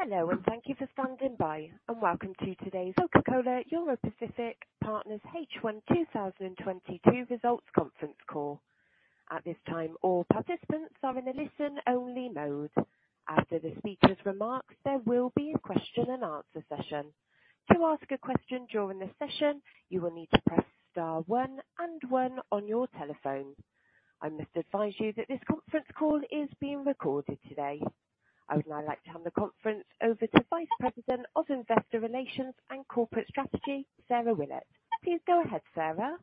Hello, and thank you for standing by, and welcome to today's Coca-Cola Europacific Partners H1 2022 Results Conference Call. At this time, all participants are in a listen-only mode. After the speaker's remarks, there will be a question and answer session. To ask a question during the session, you will need to press star one and one on your telephone. I must advise you that this conference call is being recorded today. I would now like to hand the conference over to Vice President of Investor Relations and Corporate Strategy, Sarah Willett. Please go ahead, Sarah.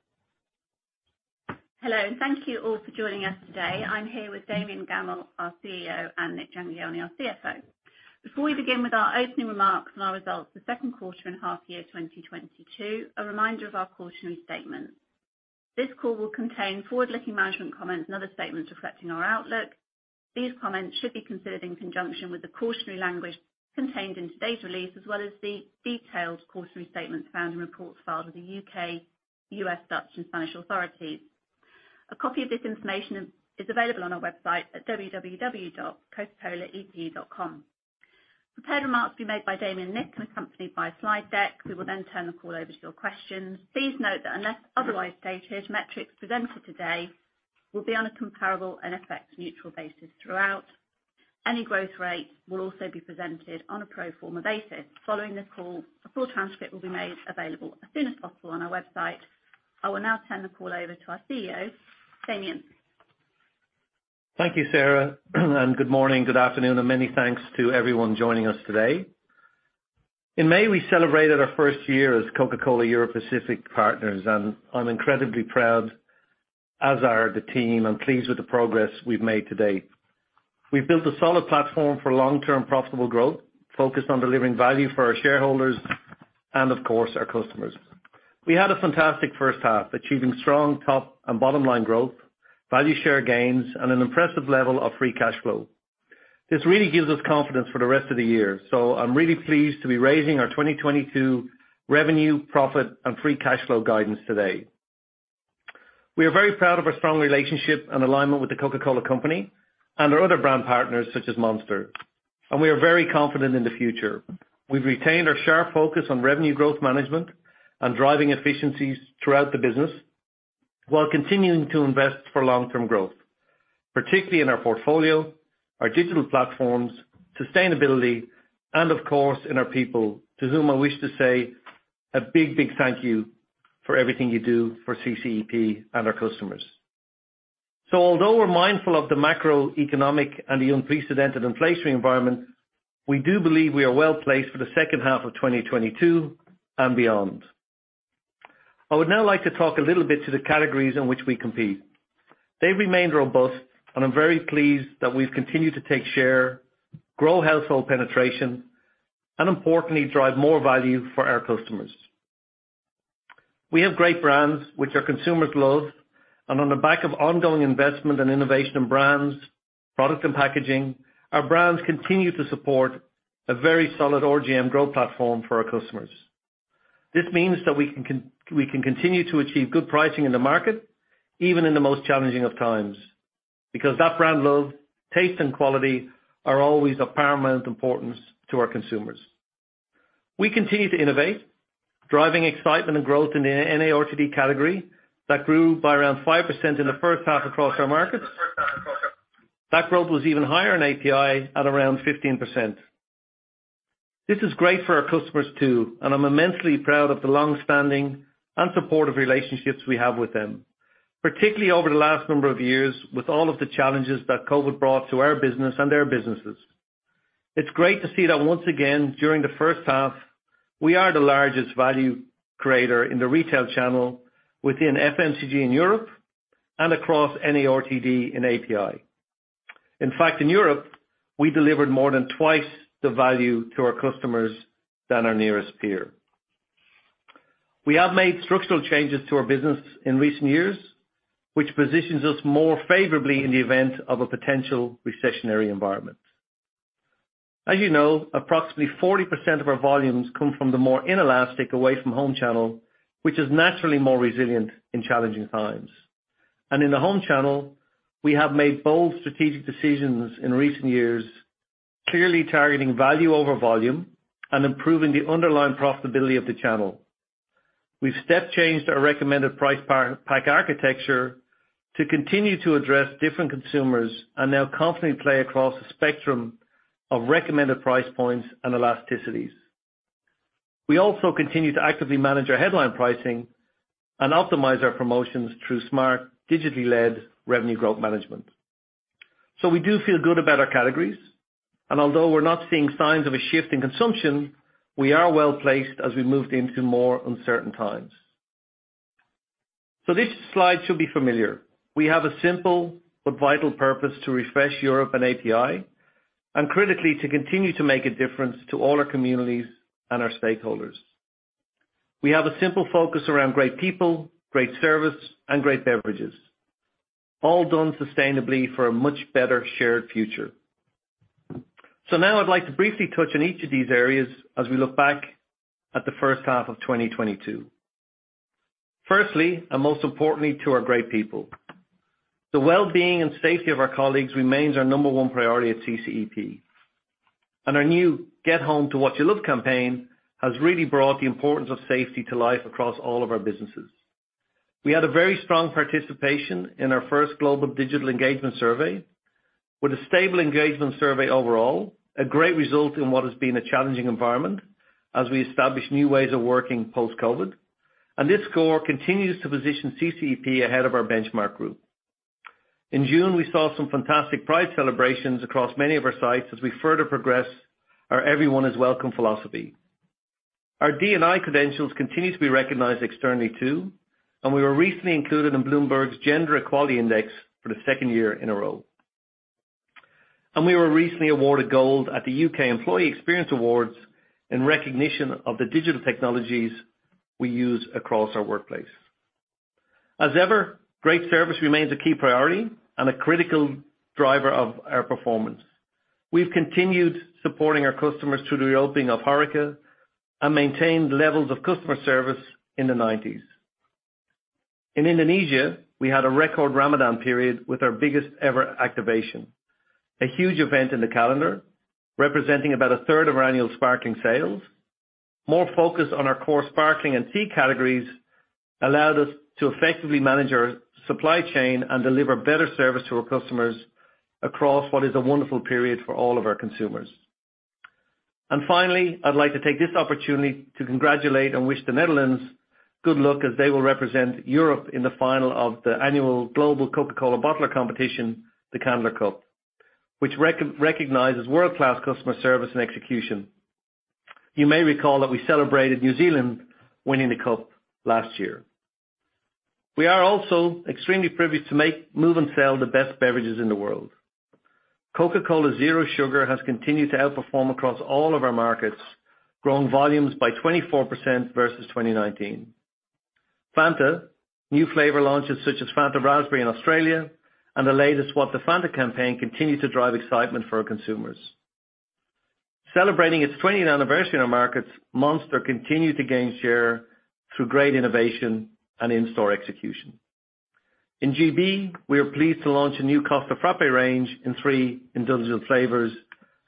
Hello, and thank you all for joining us today. I'm here with Damian Gammell, our CEO, and Nik Jhangiani, our CFO. Before we begin with our opening remarks on our results for second quarter and half year 2022, a reminder of our cautionary statement. This call will contain forward-looking management comments and other statements reflecting our outlook. These comments should be considered in conjunction with the cautionary language contained in today's release, as well as the detailed cautionary statements found in reports filed with the U.K., U.S., Dutch, and Spanish authorities. A copy of this information is available on our website at www.cocacolaep.com. Prepared remarks will be made by Damian and Nik and accompanied by a slide deck. We will then turn the call over to your questions. Please note that unless otherwise stated, metrics presented today will be on a comparable and effect neutral basis throughout. Any growth rate will also be presented on a pro forma basis. Following the call, a full transcript will be made available as soon as possible on our website. I will now turn the call over to our CEO, Damian. Thank you, Sarah, and good morning, good afternoon, and many thanks to everyone joining us today. In May, we celebrated our first year as Coca-Cola Europacific Partners, and I'm incredibly proud, as are the team. I'm pleased with the progress we've made to date. We've built a solid platform for long-term profitable growth, focused on delivering value for our shareholders and of course, our customers. We had a fantastic first half, achieving strong top and bottom line growth, value share gains, and an impressive level of free cash flow. This really gives us confidence for the rest of the year. I'm really pleased to be raising our 2022 revenue, profit, and free cash flow guidance today. We are very proud of our strong relationship and alignment with The Coca-Cola Company and our other brand partners such as Monster, and we are very confident in the future. We've retained our sharp focus on revenue growth management and driving efficiencies throughout the business, while continuing to invest for long-term growth, particularly in our portfolio, our digital platforms, sustainability, and of course, in our people, to whom I wish to say a big, big thank you for everything you do for CCEP and our customers. Although we're mindful of the macroeconomic and the unprecedented inflationary environment, we do believe we are well-placed for the second half of 2022 and beyond. I would now like to talk a little bit to the categories in which we compete. They've remained robust, and I'm very pleased that we've continued to take share, grow household penetration, and importantly, drive more value for our customers. We have great brands which our consumers love, and on the back of ongoing investment and innovation in brands, product and packaging, our brands continue to support a very solid RGM growth platform for our customers. This means that we can continue to achieve good pricing in the market, even in the most challenging of times, because that brand love, taste, and quality are always of paramount importance to our consumers. We continue to innovate, driving excitement and growth in the NARTD category that grew by around 5% in the first half across our markets. That growth was even higher in API at around 15%. This is great for our customers too, and I'm immensely proud of the long-standing and supportive relationships we have with them, particularly over the last number of years with all of the challenges that COVID brought to our business and their businesses. It's great to see that once again, during the first half, we are the largest value creator in the retail channel within FMCG in Europe and across NARTD in API. In fact, in Europe, we delivered more than twice the value to our customers than our nearest peer. We have made structural changes to our business in recent years, which positions us more favorably in the event of a potential recessionary environment. As you know, approximately 40% of our volumes come from the more inelastic away-from-home channel, which is naturally more resilient in challenging times. In the home channel, we have made bold strategic decisions in recent years, clearly targeting value over volume and improving the underlying profitability of the channel. We've step changed our recommended price pack architecture to continue to address different consumers and now confidently play across a spectrum of recommended price points and elasticities. We also continue to actively manage our headline pricing and optimize our promotions through smart, digitally-led revenue growth management. We do feel good about our categories, and although we're not seeing signs of a shift in consumption, we are well-placed as we moved into more uncertain times. This slide should be familiar. We have a simple but vital purpose to refresh Europe and API, and critically, to continue to make a difference to all our communities and our stakeholders. We have a simple focus around great people, great service, and great beverages, all done sustainably for a much better shared future. Now I'd like to briefly touch on each of these areas as we look back at the first half of 2022. Firstly, and most importantly, to our great people. The well-being and safety of our colleagues remains our number one priority at CCEP. Our new Get Home to What You Love campaign has really brought the importance of safety to life across all of our businesses. We had a very strong participation in our first global digital engagement survey, with a stable engagement survey overall, a great result in what has been a challenging environment as we establish new ways of working post-COVID. This score continues to position CCEP ahead of our benchmark group. In June, we saw some fantastic Pride celebrations across many of our sites as we further progress our Everyone is Welcome philosophy. Our D&I credentials continue to be recognized externally too, and we were recently included in Bloomberg's Gender-Equality Index for the second year in a row. We were recently awarded Gold at the U.K. Employee Experience Awards in recognition of the digital technologies we use across our workplace. As ever, great service remains a key priority and a critical driver of our performance. We've continued supporting our customers through the reopening of HoReCa and maintained levels of customer service in the 90s%. In Indonesia, we had a record Ramadan period with our biggest ever activation. A huge event in the calendar, representing about a third of our annual sparkling sales. More focus on our core sparkling and tea categories allowed us to effectively manage our supply chain and deliver better service to our customers across what is a wonderful period for all of our consumers. Finally, I'd like to take this opportunity to congratulate and wish the Netherlands good luck as they will represent Europe in the final of the annual Global Coca-Cola Bottler competition, the Candler Cup, which recognizes world-class customer service and execution. You may recall that we celebrated New Zealand winning the cup last year. We are also extremely privileged to make, move, and sell the best beverages in the world. Coca-Cola Zero Sugar has continued to outperform across all of our markets, growing volumes by 24% versus 2019. Fanta, new flavor launches such as Fanta Raspberry in Australia and the latest What the Fanta campaign continue to drive excitement for our consumers. Celebrating its twentieth anniversary in our markets, Monster continued to gain share through great innovation and in-store execution. In GB, we are pleased to launch a new Costa Frappé range in three indulgent flavors,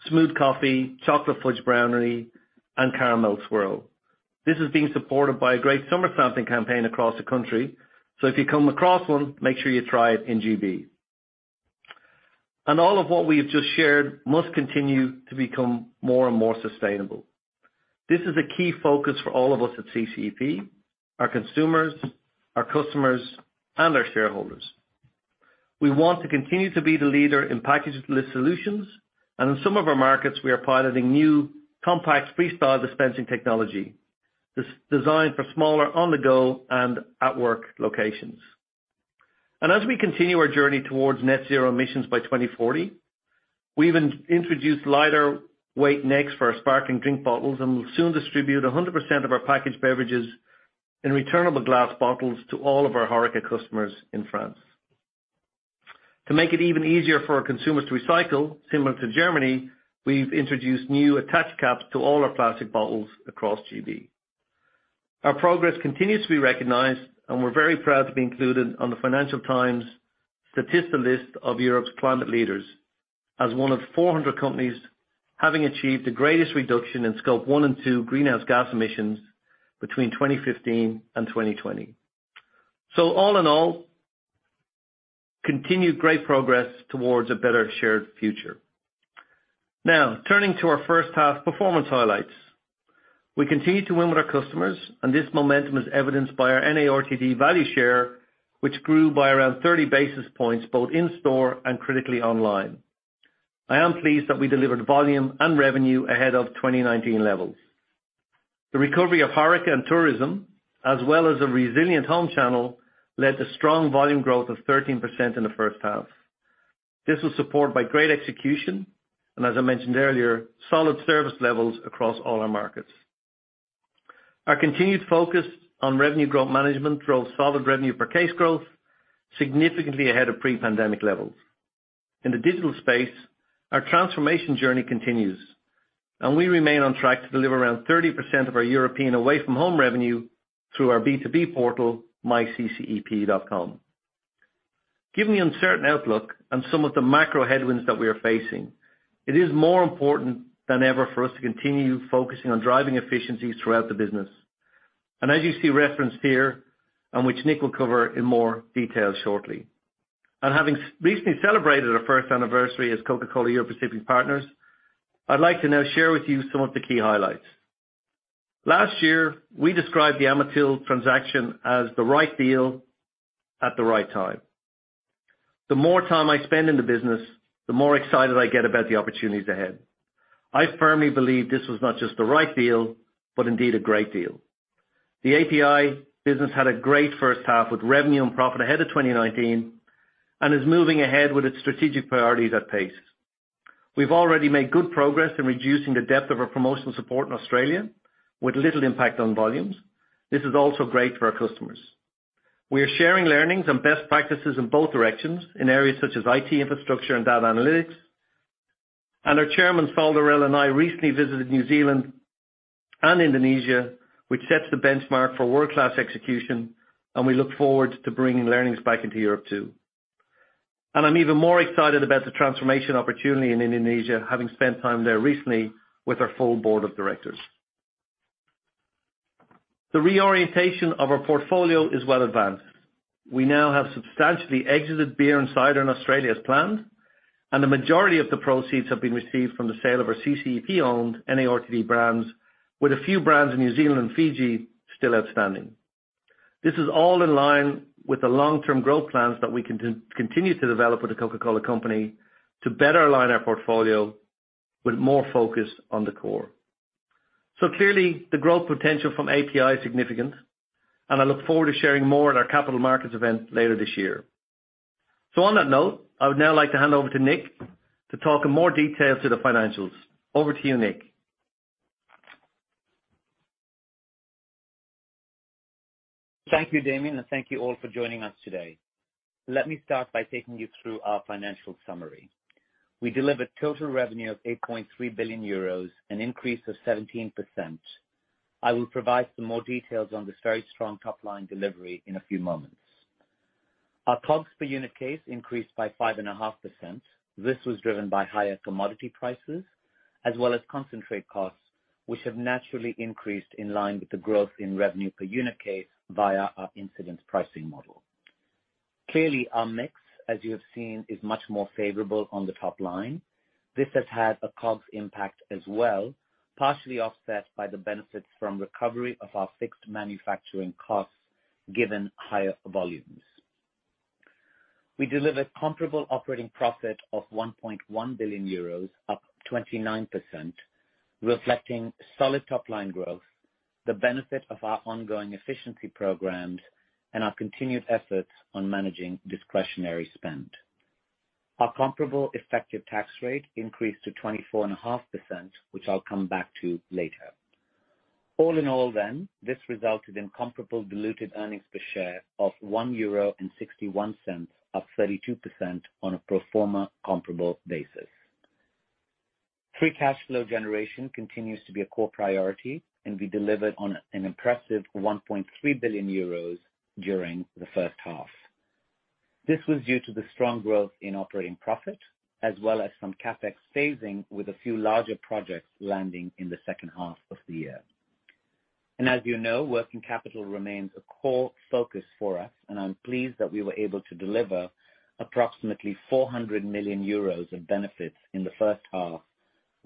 Smooth Coffee, Chocolate Fudge Brownie, and Caramel Swirl. This is being supported by a great summer sampling campaign across the country, so if you come across one, make sure you try it in GB. All of what we have just shared must continue to become more and more sustainable. This is a key focus for all of us at CCEP, our consumers, our customers, and our shareholders. We want to continue to be the leader in packageless solutions, and in some of our markets, we are piloting new compact Freestyle dispensing technology. This is designed for smaller on-the-go and at-work locations. We continue our journey towards net zero emissions by 2040. We even introduced lighter weight necks for our sparkling drink bottles and will soon distribute 100% of our packaged beverages in returnable glass bottles to all of our HoReCa customers in France. To make it even easier for our consumers to recycle, similar to Germany, we've introduced new attached caps to all our plastic bottles across GB. Our progress continues to be recognized, and we're very proud to be included on the Financial Times and Statista list of Europe's Climate Leaders as one of 400 companies having achieved the greatest reduction in Scope 1 and 2 greenhouse gas emissions between 2015 and 2020. All in all, continued great progress towards a better shared future. Now, turning to our first half performance highlights. We continue to win with our customers, and this momentum is evidenced by our NARTD value share, which grew by around 30 basis points, both in-store and critically online. I am pleased that we delivered volume and revenue ahead of 2019 levels. The recovery of HoReCa and tourism, as well as a resilient home channel, led to strong volume growth of 13% in the first half. This was supported by great execution, and as I mentioned earlier, solid service levels across all our markets. Our continued focus on revenue growth management drove solid revenue per case growth, significantly ahead of pre-pandemic levels. In the digital space, our transformation journey continues, and we remain on track to deliver around 30% of our European away-from-home revenue through our B2B portal, MyCCEP.com. Given the uncertain outlook and some of the macro headwinds that we are facing, it is more important than ever for us to continue focusing on driving efficiencies throughout the business, and as you see referenced here, and which Nik will cover in more detail shortly. Having recently celebrated our first anniversary as Coca-Cola Europacific Partners, I'd like to now share with you some of the key highlights. Last year, we described the Amatil transaction as the right deal at the right time. The more time I spend in the business, the more excited I get about the opportunities ahead. I firmly believe this was not just the right deal, but indeed a great deal. The API business had a great first half with revenue and profit ahead of 2019, and is moving ahead with its strategic priorities at pace. We've already made good progress in reducing the depth of our promotional support in Australia with little impact on volumes. This is also great for our customers. We are sharing learnings and best practices in both directions in areas such as IT infrastructure and data analytics. Our Chairman, I recently visited New Zealand and Indonesia, which sets the benchmark for world-class execution, and we look forward to bringing learnings back into Europe, too. I'm even more excited about the transformation opportunity in Indonesia, having spent time there recently with our full board of directors. The reorientation of our portfolio is well advanced. We now have substantially exited beer and cider in Australia as planned, and the majority of the proceeds have been received from the sale of our CCEP-owned NARTD brands, with a few brands in New Zealand and Fiji still outstanding. This is all in line with the long-term growth plans that we continue to develop with the Coca-Cola Company to better align our portfolio with more focus on the core. Clearly, the growth potential from API is significant, and I look forward to sharing more at our capital markets event later this year. On that note, I would now like to hand over to Nik to talk in more details to the financials. Over to you, Nik. Thank you, Damian, and thank you all for joining us today. Let me start by taking you through our financial summary. We delivered total revenue of 8.3 billion euros, an increase of 17%. I will provide some more details on this very strong top-line delivery in a few moments. Our COGS per unit case increased by 5.5%. This was driven by higher commodity prices as well as concentrate costs, which have naturally increased in line with the growth in revenue per unit case via our incidence pricing model. Clearly, our mix, as you have seen, is much more favorable on the top line. This has had a COGS impact as well, partially offset by the benefits from recovery of our fixed manufacturing costs given higher volumes. We delivered comparable operating profit of 1.1 billion euros, up 29%, reflecting solid top-line growth, the benefit of our ongoing efficiency programs, and our continued efforts on managing discretionary spend. Our comparable effective tax rate increased to 24.5%, which I'll come back to later. All in all then, this resulted in comparable diluted earnings per share of 1.61 euro, up 32% on a pro forma comparable basis. Free cash flow generation continues to be a core priority, and we delivered on an impressive 1.3 billion euros during the first half. This was due to the strong growth in operating profit as well as some CapEx saving with a few larger projects landing in the second half of the year. As you know, working capital remains a core focus for us, and I'm pleased that we were able to deliver approximately 400 million euros of benefits in the first half,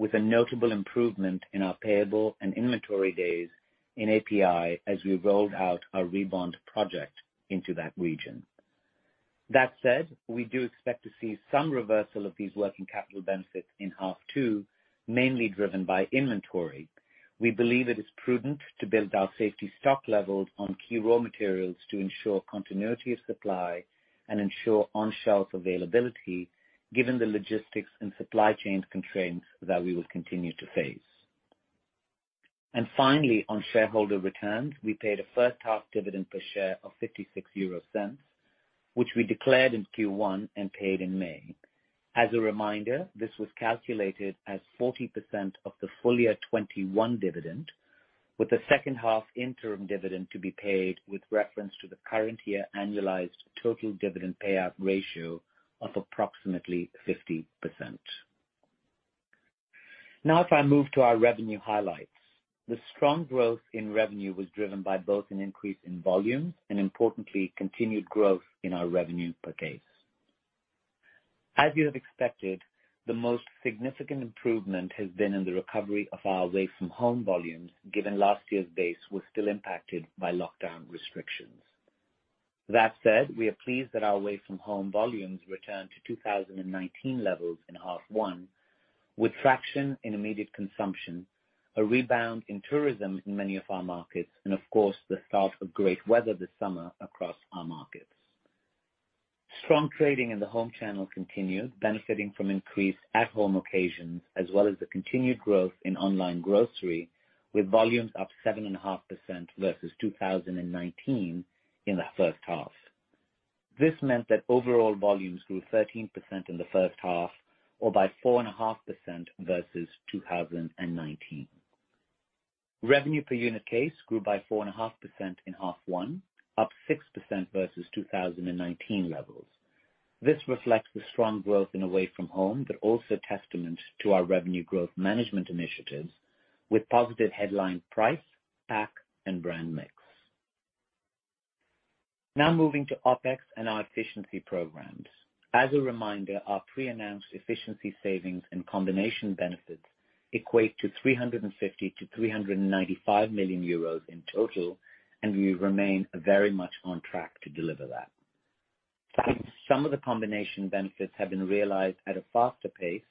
with a notable improvement in our payables and inventory days in API as we rolled out our Rebond project into that region. That said, we do expect to see some reversal of these working capital benefits in half two, mainly driven by inventory. We believe it is prudent to build our safety stock levels on key raw materials to ensure continuity of supply and ensure on-shelf availability given the logistics and supply chain constraints that we will continue to face. Finally, on shareholder returns, we paid a first half dividend per share of 0.56, which we declared in Q1 and paid in May. As a reminder, this was calculated as 40% of the full year 2021 dividend, with the second half interim dividend to be paid with reference to the current year annualized total dividend payout ratio of approximately 50%. Now if I move to our revenue highlights. The strong growth in revenue was driven by both an increase in volume and importantly, continued growth in our revenue per case. As you have expected, the most significant improvement has been in the recovery of our away from home volumes, given last year's base was still impacted by lockdown restrictions. That said, we are pleased that our away from home volumes returned to 2019 levels in half one with traction in immediate consumption, a rebound in tourism in many of our markets, and of course, the start of great weather this summer across our markets. Strong trading in the home channel continued, benefiting from increased at-home occasions as well as the continued growth in online grocery, with volumes up 7.5% versus 2019 in the first half. This meant that overall volumes grew 13% in the first half or by 4.5% versus 2019. Revenue per unit case grew by 4.5% in H1, up 6% versus 2019 levels. This reflects the strong growth in away from home, but also testament to our revenue growth management initiatives with positive headline price, pack, and brand mix. Now moving to OpEx and our efficiency programs. As a reminder, our pre-announced efficiency savings and combination benefits equate to 350 million to 395 million euros in total, and we remain very much on track to deliver that. Some of the combination benefits have been realized at a faster pace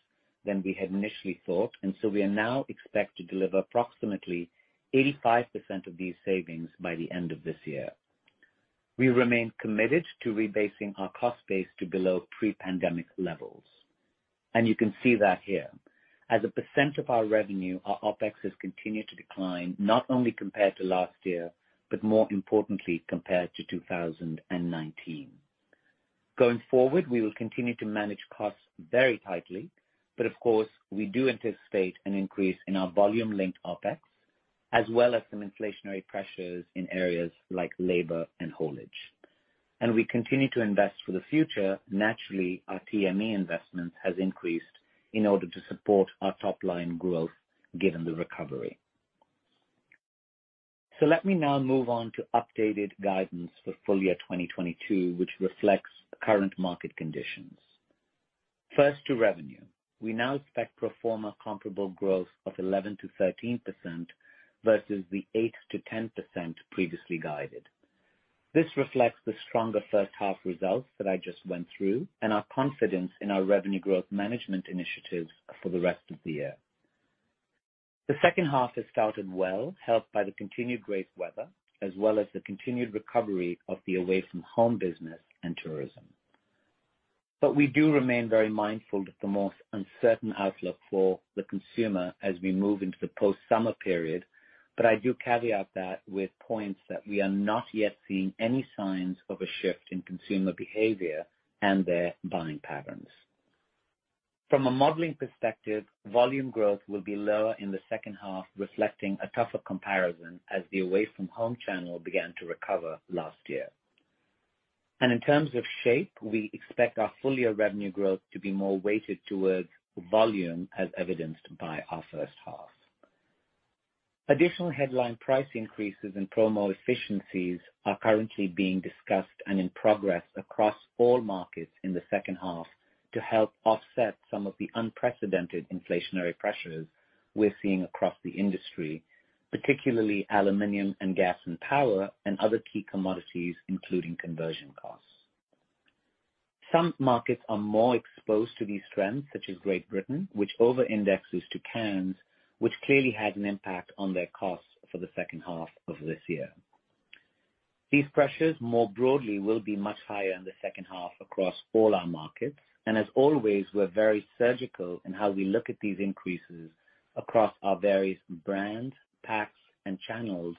than we had initially thought, and so we now expect to deliver approximately 85% of these savings by the end of this year. We remain committed to rebasing our cost base to below pre-pandemic levels, and you can see that here. As a percent of our revenue, our OpEx has continued to decline, not only compared to last year, but more importantly, compared to 2019. Going forward, we will continue to manage costs very tightly, but of course, we do anticipate an increase in our volume linked OpEx, as well as some inflationary pressures in areas like labor and haulage. We continue to invest for the future. Naturally, our TME investment has increased in order to support our top line growth given the recovery. Let me now move on to updated guidance for full year 2022, which reflects the current market conditions. First to revenue. We now expect pro forma comparable growth of 11% to 13% versus the 8% to 10% previously guided. This reflects the stronger first half results that I just went through and our confidence in our revenue growth management initiatives for the rest of the year. The second half has started well, helped by the continued great weather as well as the continued recovery of the away from home business and tourism. We do remain very mindful of the most uncertain outlook for the consumer as we move into the post-summer period. I do caveat that with points that we are not yet seeing any signs of a shift in consumer behavior and their buying patterns. From a modeling perspective, volume growth will be lower in the second half, reflecting a tougher comparison as the away from home channel began to recover last year. In terms of shape, we expect our full year revenue growth to be more weighted towards volume, as evidenced by our first half. Additional headline price increases and promo efficiencies are currently being discussed and in progress across all markets in the second half to help offset some of the unprecedented inflationary pressures we're seeing across the industry, particularly aluminum and gas and power and other key commodities, including conversion costs. Some markets are more exposed to these trends, such as Great Britain, which over indexes to cans, which clearly had an impact on their costs for the second half of this year. These pressures, more broadly, will be much higher in the second half across all our markets. As always, we're very surgical in how we look at these increases across our various brands, packs, and channels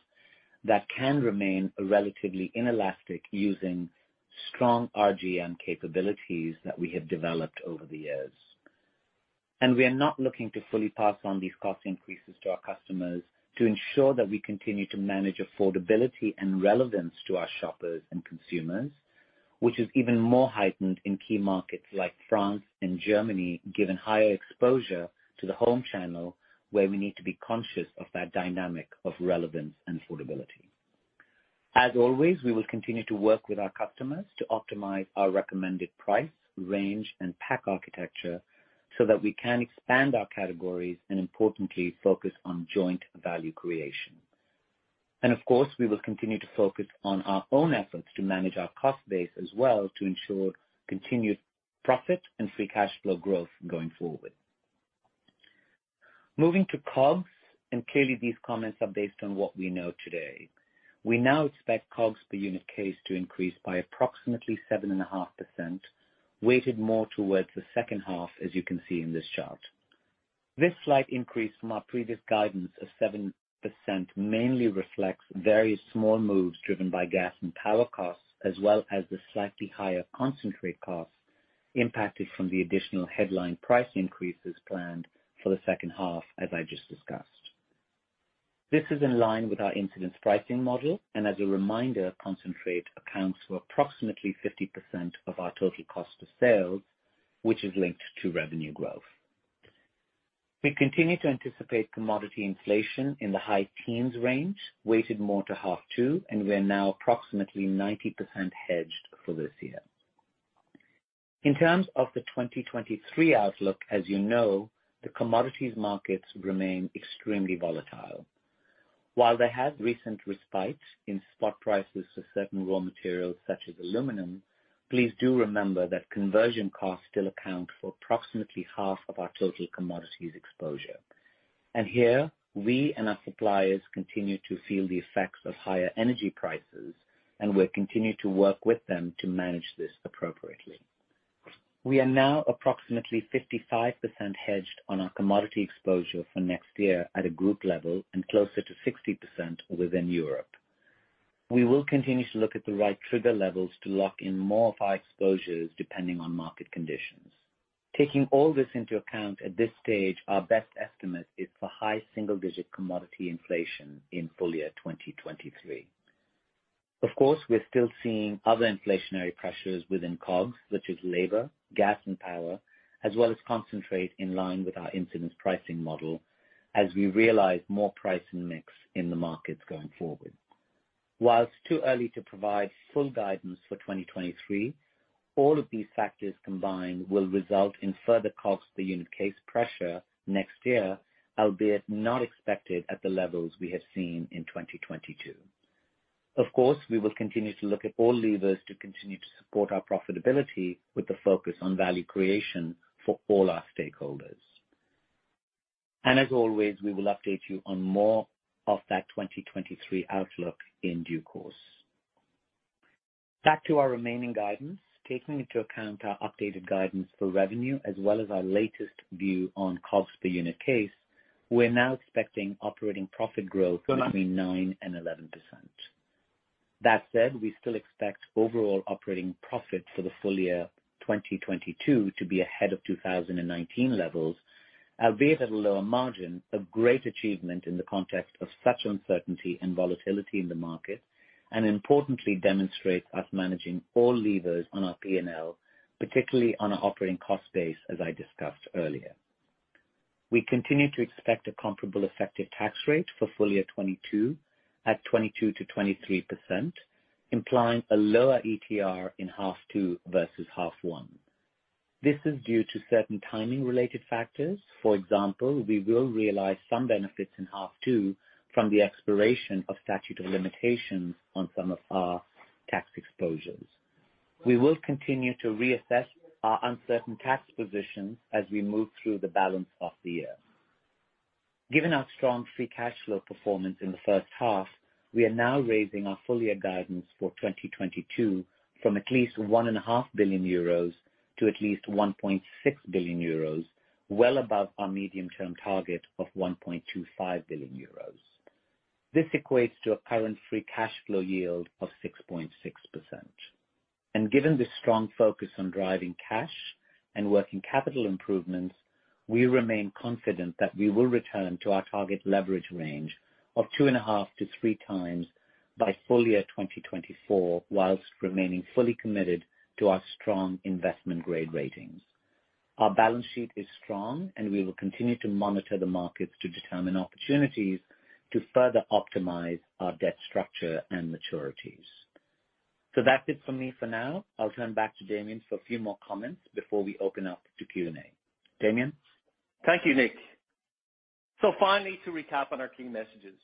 that can remain relatively inelastic using strong RGM capabilities that we have developed over the years. We are not looking to fully pass on these cost increases to our customers to ensure that we continue to manage affordability and relevance to our shoppers and consumers, which is even more heightened in key markets like France and Germany, given higher exposure to the home channel, where we need to be conscious of that dynamic of relevance and affordability. As always, we will continue to work with our customers to optimize our recommended price, range, and pack architecture so that we can expand our categories and importantly focus on joint value creation. Of course, we will continue to focus on our own efforts to manage our cost base as well to ensure continued profit and free cash flow growth going forward. Moving to COGS, clearly these comments are based on what we know today. We now expect COGS per unit case to increase by approximately 7.5%, weighted more towards the second half, as you can see in this chart. This slight increase from our previous guidance of 7% mainly reflects various small moves driven by gas and power costs, as well as the slightly higher concentrate costs impacted from the additional headline price increases planned for the second half, as I just discussed. This is in line with our incidence pricing model, and as a reminder, concentrate accounts for approximately 50% of our total cost of sales, which is linked to revenue growth. We continue to anticipate commodity inflation in the high teens range, weighted more to half two, and we are now approximately 90% hedged for this year. In terms of the 2023 outlook, as you know, the commodities markets remain extremely volatile. While there has been recent respite in spot prices for certain raw materials such as aluminum, please do remember that conversion costs still account for approximately half of our total commodities exposure. Here, we and our suppliers continue to feel the effects of higher energy prices, and we continue to work with them to manage this appropriately. We are now approximately 55% hedged on our commodity exposure for next year at a group level and closer to 60% within Europe. We will continue to look at the right trigger levels to lock in more of our exposures depending on market conditions. Taking all this into account, at this stage, our best estimate is for high single-digit commodity inflation in full year 2023. Of course, we're still seeing other inflationary pressures within COGS, such as labor, gas, and power, as well as concentrate in line with our incidence pricing model as we realize more price and mix in the markets going forward. While it's too early to provide full guidance for 2023, all of these factors combined will result in further cost per unit case pressure next year, albeit not expected at the levels we have seen in 2022. Of course, we will continue to look at all levers to continue to support our profitability with the focus on value creation for all our stakeholders. As always, we will update you on more of that 2023 outlook in due course. Back to our remaining guidance. Taking into account our updated guidance for revenue as well as our latest view on cost per unit case. We're now expecting operating profit growth between 9% and 11%. That said, we still expect overall operating profit for the full year 2022 to be ahead of 2019 levels, albeit at a lower margin, a great achievement in the context of such uncertainty and volatility in the market, and importantly, demonstrates us managing all levers on our P&L, particularly on our operating cost base, as I discussed earlier. We continue to expect a comparable effective tax rate for full year 2022 at 22% to 23%, implying a lower ETR in H2 versus H1. This is due to certain timing-related factors. For example, we will realize some benefits in H2 from the expiration of statute of limitations on some of our tax exposures. We will continue to reassess our uncertain tax positions as we move through the balance of the year. Given our strong free cash flow performance in the first half, we are now raising our full year guidance for 2022 from at least 1.5 billion euros to at least 1.6 billion euros, well above our medium-term target of 1.25 billion euros. This equates to a current free cash flow yield of 6.6%. Given this strong focus on driving cash and working capital improvements, we remain confident that we will return to our target leverage range of 2.5 to 3 times by full year 2024, while remaining fully committed to our strong investment grade ratings. Our balance sheet is strong and we will continue to monitor the markets to determine opportunities to further optimize our debt structure and maturities. That's it for me for now. I'll turn back to Damian for a few more comments before we open up to Q&A. Damian. Thank you, Nik. Finally, to recap on our key messages.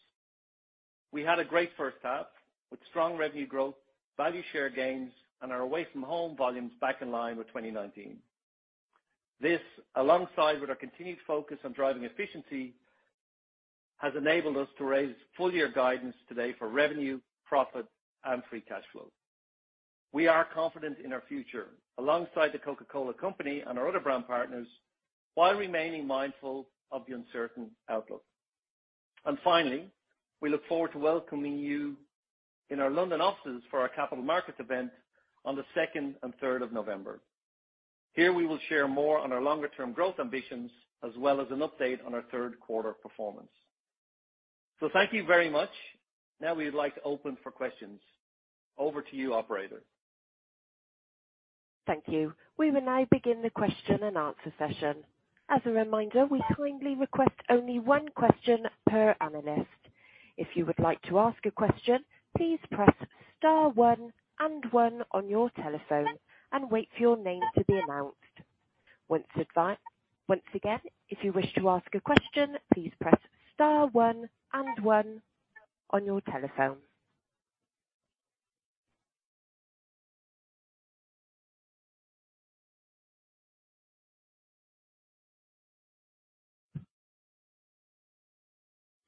We had a great first half with strong revenue growth, value share gains, and our away from home volumes back in line with 2019. This, alongside with our continued focus on driving efficiency, has enabled us to raise full year guidance today for revenue, profit and free cash flow. We are confident in our future alongside The Coca-Cola Company and our other brand partners while remaining mindful of the uncertain outlook. Finally, we look forward to welcoming you in our London offices for our capital markets event on the second and third of November. Here we will share more on our longer term growth ambitions as well as an update on our third quarter performance. Thank you very much. Now we would like to open for questions. Over to you, operator. Thank you. We will now begin the question and answer session. As a reminder, we kindly request only one question per analyst. If you would like to ask a question, please press star one and one on your telephone and wait for your name to be announced. Once again, if you wish to ask a question, please press star one and one on your telephone.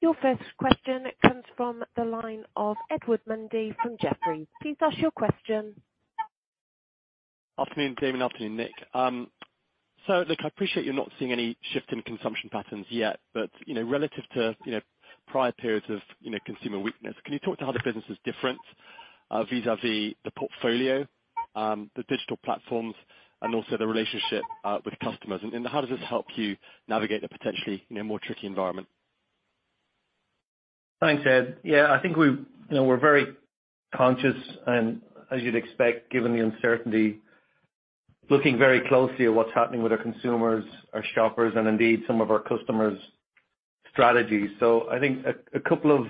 Your first question comes from the line of Edward Mundy from Jefferies. Please ask your question. Afternoon, Damian. Afternoon, Nik. So look, I appreciate you're not seeing any shift in consumption patterns yet, but, you know, relative to, you know, prior periods of, you know, consumer weakness, can you talk to how the business is different, vis-a-vis the portfolio, the digital platforms and also the relationship, with customers? How does this help you navigate a potentially, you know, more tricky environment? Thanks, Ed. Yeah, I think we, you know, we're very conscious and as you'd expect, given the uncertainty, looking very closely at what's happening with our consumers, our shoppers and indeed some of our customers' strategies. I think a couple of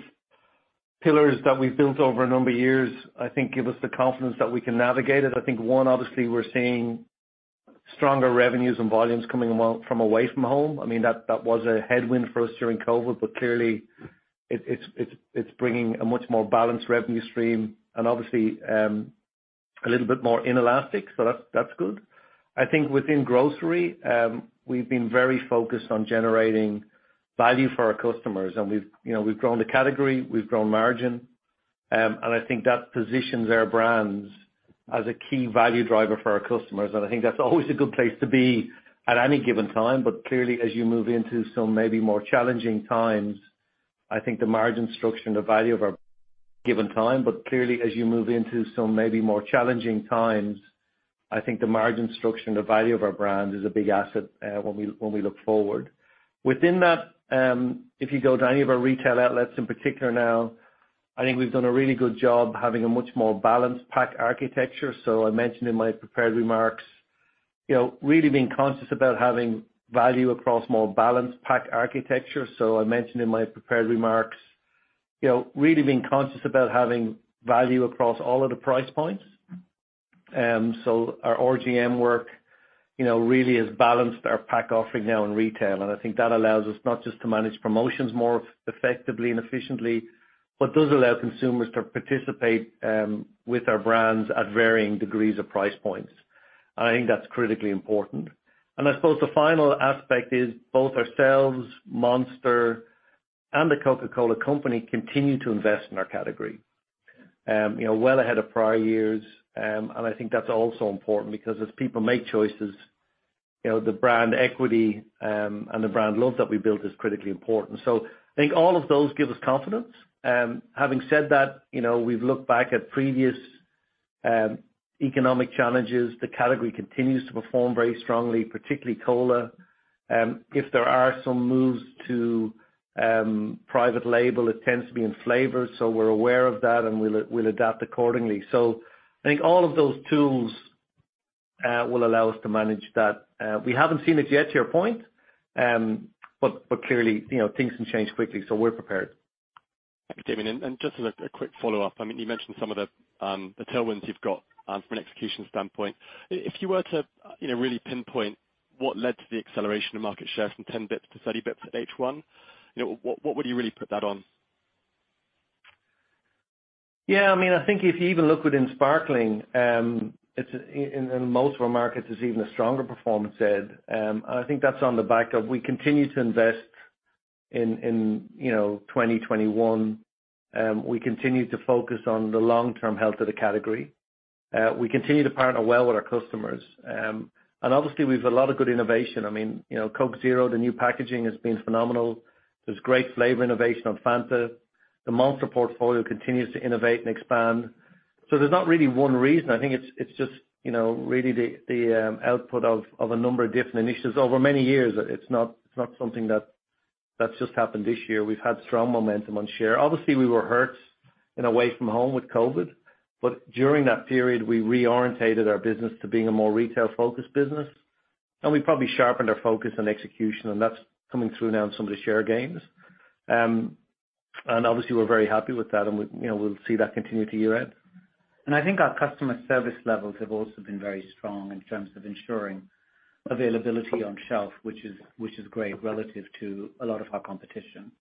pillars that we've built over a number of years I think give us the confidence that we can navigate it. I think, one, obviously we're seeing stronger revenues and volumes coming on from away from home. I mean, that was a headwind for us during COVID, but clearly it's bringing a much more balanced revenue stream and obviously a little bit more inelastic. That's good. I think within grocery, we've been very focused on generating value for our customers. We've, you know, we've grown the category, we've grown margin, and I think that positions our brands as a key value driver for our customers. I think that's always a good place to be at any given time. Clearly, as you move into some maybe more challenging times, I think the margin structure and the value of our brands is a big asset, when we, when we look forward. Within that, if you go to any of our retail outlets in particular now, I think we've done a really good job having a much more balanced pack architecture. I mentioned in my prepared remarks, you know, really being conscious about having value across more balanced pack architecture. I mentioned in my prepared remarks, you know, really being conscious about having value across all of the price points. Our OBPPC work, you know, really has balanced our pack offering now in retail. I think that allows us not just to manage promotions more effectively and efficiently, but does allow consumers to participate with our brands at varying degrees of price points. I think that's critically important. I suppose the final aspect is both ourselves, Monster and the Coca-Cola Company continue to invest in our category you know, well ahead of prior years. I think that's also important because as people make choices, you know, the brand equity and the brand love that we built is critically important. I think all of those give us confidence. Having said that, you know, we've looked back at previous economic challenges. The category continues to perform very strongly, particularly cola. If there are some moves to private label, it tends to be in flavors, so we're aware of that, and we'll adapt accordingly. I think all of those tools will allow us to manage that. We haven't seen it yet, to your point, but clearly, you know, things can change quickly, so we're prepared. Thank you, Damian. Just as a quick follow-up, I mean, you mentioned some of the tailwinds you've got from an execution standpoint. If you were to really pinpoint what led to the acceleration of market share from 10 basis points to 30 basis points at H1, you know, what would you really put that on? Yeah, I mean, I think if you even look within sparkling, it's in most of our markets even a stronger performance, Ed. I think that's on the back of we continue to invest in, you know, 2021. We continue to focus on the long-term health of the category. We continue to partner well with our customers. And obviously we've a lot of good innovation. I mean, you know, Coke Zero, the new packaging has been phenomenal. There's great flavor innovation on Fanta. The Monster portfolio continues to innovate and expand. There's not really one reason. I think it's just, you know, really the output of a number of different initiatives over many years. It's not something that's just happened this year. We've had strong momentum on share. Obviously, we were hurt in a way from home with COVID, but during that period, we reoriented our business to being a more retail-focused business, and we probably sharpened our focus on execution, and that's coming through now in some of the share gains. Obviously, we're very happy with that and, you know, we'll see that continue to year-end. I think our customer service levels have also been very strong in terms of ensuring availability on shelf, which is great relative to a lot of our competition.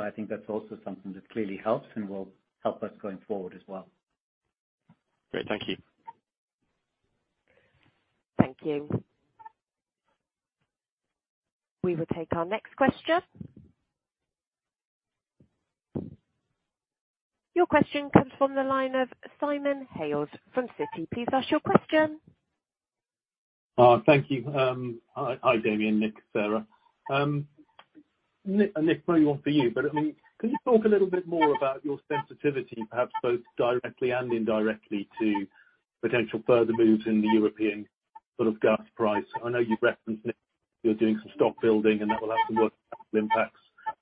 I think that's also something that clearly helps and will help us going forward as well. Great. Thank you. Thank you. We will take our next question. Your question comes from the line of Simon Hales from Citi. Please ask your question. Thank you. Hi, Damian, Nik, Sarah. Nik, probably one for you, but I mean, can you talk a little bit more about your sensitivity, perhaps both directly and indirectly, to potential further moves in the European sort of gas price? I know you've referenced you're doing some stock building, and that will have some work impacts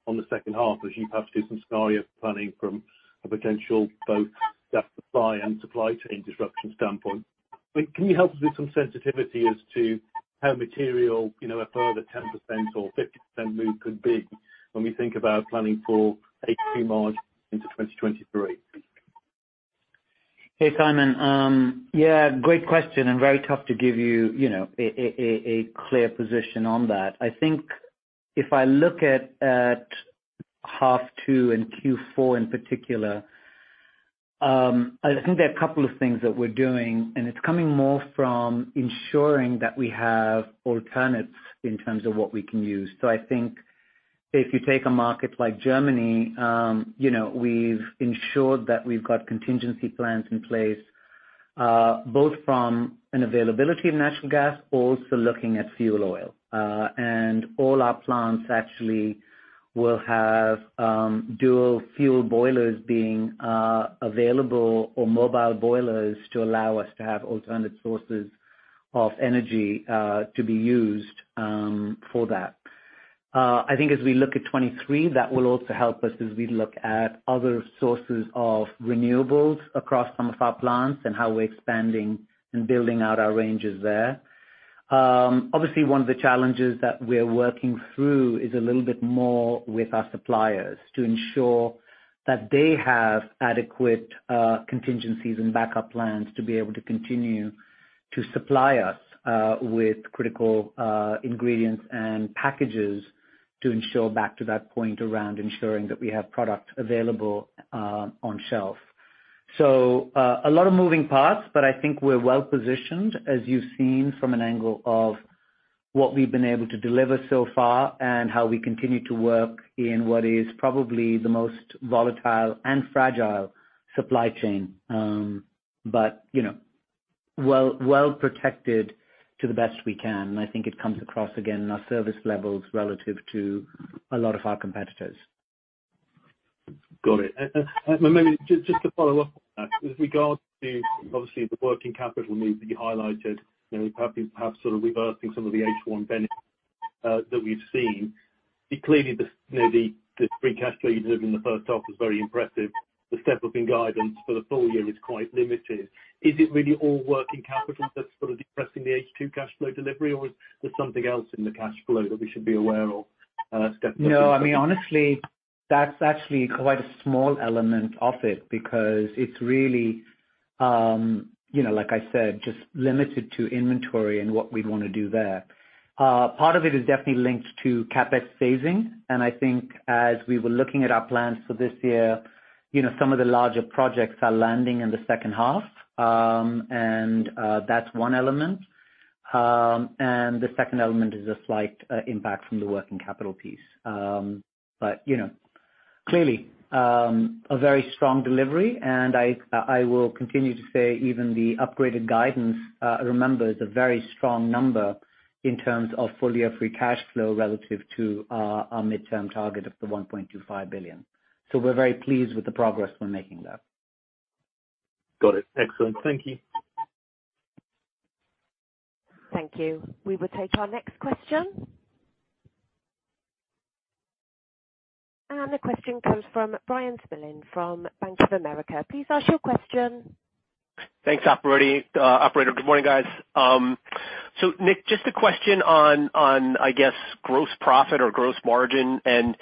on the second half as you perhaps do some scenario planning from a potential both gas supply and supply chain disruption standpoint. Can you help us with some sensitivity as to how material, you know, a further 10% or 50% move could be when we think about planning for HP margin into 2023? Hey, Simon. Yeah, great question, and very tough to give you know, a clear position on that. I think if I look at half two and Q4 in particular, I think there are a couple of things that we're doing, and it's coming more from ensuring that we have alternatives in terms of what we can use. I think if you take a market like Germany, you know, we've ensured that we've got contingency plans in place, both from an availability of natural gas, also looking at fuel oil. All our plants actually will have dual fuel boilers being available or mobile boilers to allow us to have alternate sources of energy to be used for that. I think as we look at 2023, that will also help us as we look at other sources of renewables across some of our plants and how we're expanding and building out our ranges there. Obviously, one of the challenges that we're working through is a little bit more with our suppliers to ensure that they have adequate contingencies and backup plans to be able to continue to supply us with critical ingredients and packages to ensure back to that point around ensuring that we have product available on shelf. A lot of moving parts, but I think we're well-positioned, as you've seen from an angle of what we've been able to deliver so far and how we continue to work in what is probably the most volatile and fragile supply chain, but you know, well-protected to the best we can. I think it comes across again in our service levels relative to a lot of our competitors. Got it. Maybe just to follow up on that. With regards to obviously the working capital move that you highlighted, you know, perhaps sort of reversing some of the H1 benefits that we've seen. It's clearly the, you know, the free cash flow you delivered in the first half was very impressive. The step-up in guidance for the full year is quite limited. Is it really all working capital that's sort of depressing the H2 cash flow delivery, or is there something else in the cash flow that we should be aware of? No, I mean, honestly, that's actually quite a small element of it because it's really, you know, like I said, just limited to inventory and what we'd wanna do there. Part of it is definitely linked to CapEx savings, and I think as we were looking at our plans for this year, you know, some of the larger projects are landing in the second half, and that's one element. The second element is a slight impact from the working capital piece. You know, clearly, a very strong delivery. I will continue to say even the upgraded guidance, remember, is a very strong number in terms of full-year free cash flow relative to our midterm target of 1.25 billion. We're very pleased with the progress we're making there. Got it. Excellent. Thank you. Thank you. We will take our next question. The question comes from Bryan Spillane from Bank of America. Please ask your question. Thanks, operator. Good morning, guys. Nik, just a question on, I guess, gross profit or gross margin, and,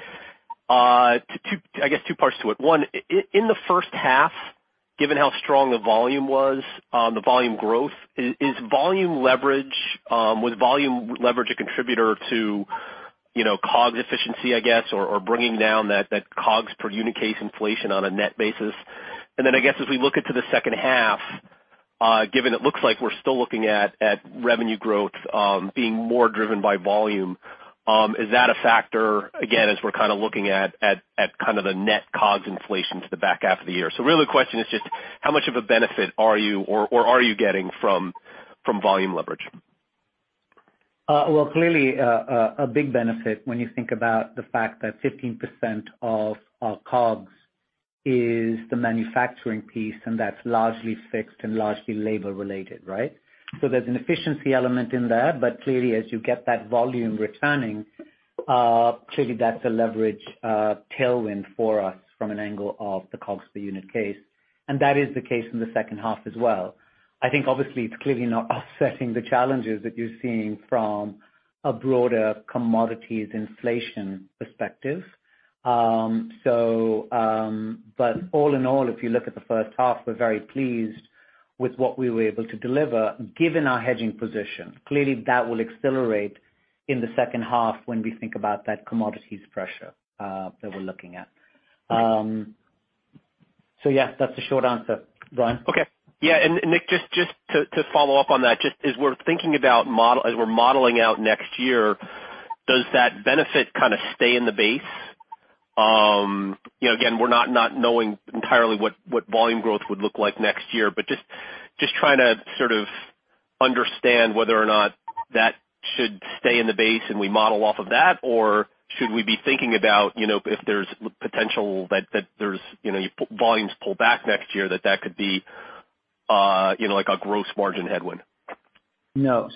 two, I guess two parts to it. One, in the first half, given how strong the volume was, the volume growth, is volume leverage a contributor to, you know, COGS efficiency, I guess, or bringing down that, COGS per unit case inflation on a net basis? I guess as we look into the second half, given it looks like we're still looking at, revenue growth, being more driven by volume, is that a factor again as we're kinda looking at, kind of the net COGS inflation to the back half of the year? Really the question is just how much of a benefit are you or are you getting from volume leverage? Clearly, a big benefit when you think about the fact that 15% of our COGS is the manufacturing piece, and that's largely fixed and largely labor related, right? There's an efficiency element in there. Clearly, as you get that volume returning, clearly that's a leverage tailwind for us from an angle of the COGS per unit case, and that is the case in the second half as well. I think obviously it's clearly not offsetting the challenges that you're seeing from a broader commodities inflation perspective. All in all, if you look at the first half, we're very pleased with what we were able to deliver given our hedging position. Clearly, that will accelerate in the second half when we think about that commodities pressure that we're looking at. Yeah, that's the short answer, Bryan. Okay. Yeah. Nik, just to follow up on that, just as we're thinking about modeling out next year, does that benefit kinda stay in the base? You know, again, we're not knowing entirely what volume growth would look like next year, but just trying to sort of understand whether or not that should stay in the base and we model off of that. Or should we be thinking about, you know, if there's potential that there's your volumes pull back next year that could be, you know, like a gross margin headwind. No,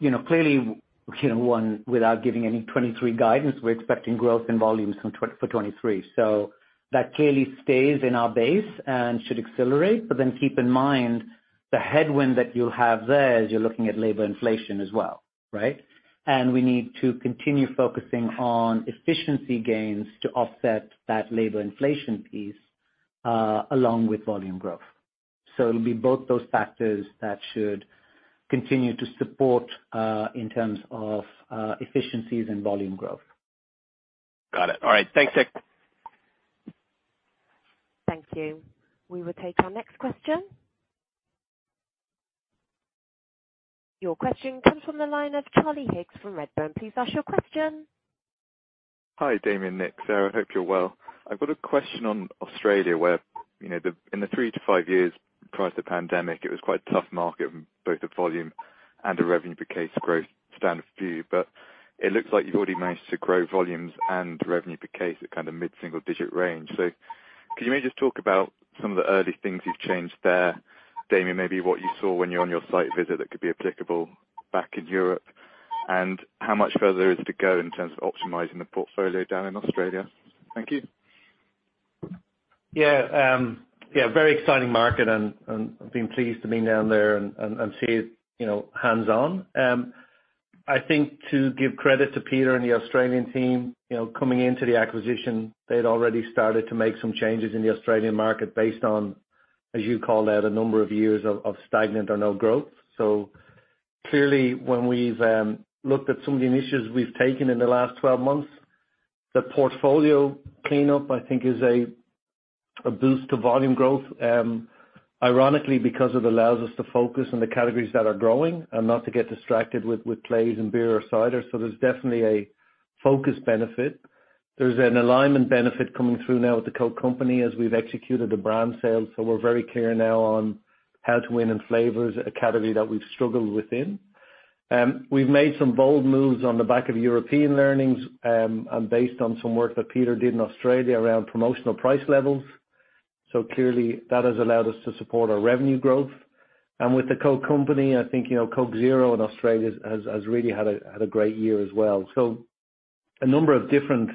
you know, clearly, you know, one, without giving any 2023 guidance, we're expecting growth in volumes for 2023. That clearly stays in our base and should accelerate. Keep in mind, the headwind that you'll have there is you're looking at labor inflation as well, right? We need to continue focusing on efficiency gains to offset that labor inflation piece along with volume growth. It'll be both those factors that should continue to support in terms of efficiencies and volume growth. Got it. All right, thanks, Nik. Thank you. We will take our next question. Your question comes from the line of Charlie Higgs from Redburn. Please ask your question. Hi, Damian, Nik, Sarah, hope you're well. I've got a question on Australia, where, you know, the, in the three to five years prior to the pandemic, it was quite a tough market in both the volume and the revenue per case growth standpoint of view. It looks like you've already managed to grow volumes and revenue per case at kind of mid-single digit range. Can you maybe just talk about some of the early things you've changed there? Damian, maybe what you saw when you're on your site visit that could be applicable back in Europe, and how much further is to go in terms of optimizing the portfolio down in Australia? Thank you. Yeah. Yeah, very exciting market and I've been pleased to be down there and see it, you know, hands-on. I think to give credit to Peter and the Australian team, you know, coming into the acquisition, they'd already started to make some changes in the Australian market based on, as you call it, a number of years of stagnant or no growth. Clearly when we've looked at some of the initiatives we've taken in the last 12 months, the portfolio cleanup, I think, is a boost to volume growth. Ironically, because it allows us to focus on the categories that are growing and not to get distracted with ales and beer or cider. There's definitely a focus benefit. There's an alignment benefit coming through now with The Coca-Cola Company as we've executed a brand sale. We're very clear now on how to win in flavors, a category that we've struggled with in. We've made some bold moves on the back of European learnings, and based on some work that Peter did in Australia around promotional price levels. Clearly that has allowed us to support our revenue growth. With The Coca-Cola Company, I think, you know, Coke Zero in Australia has really had a great year as well. A number of different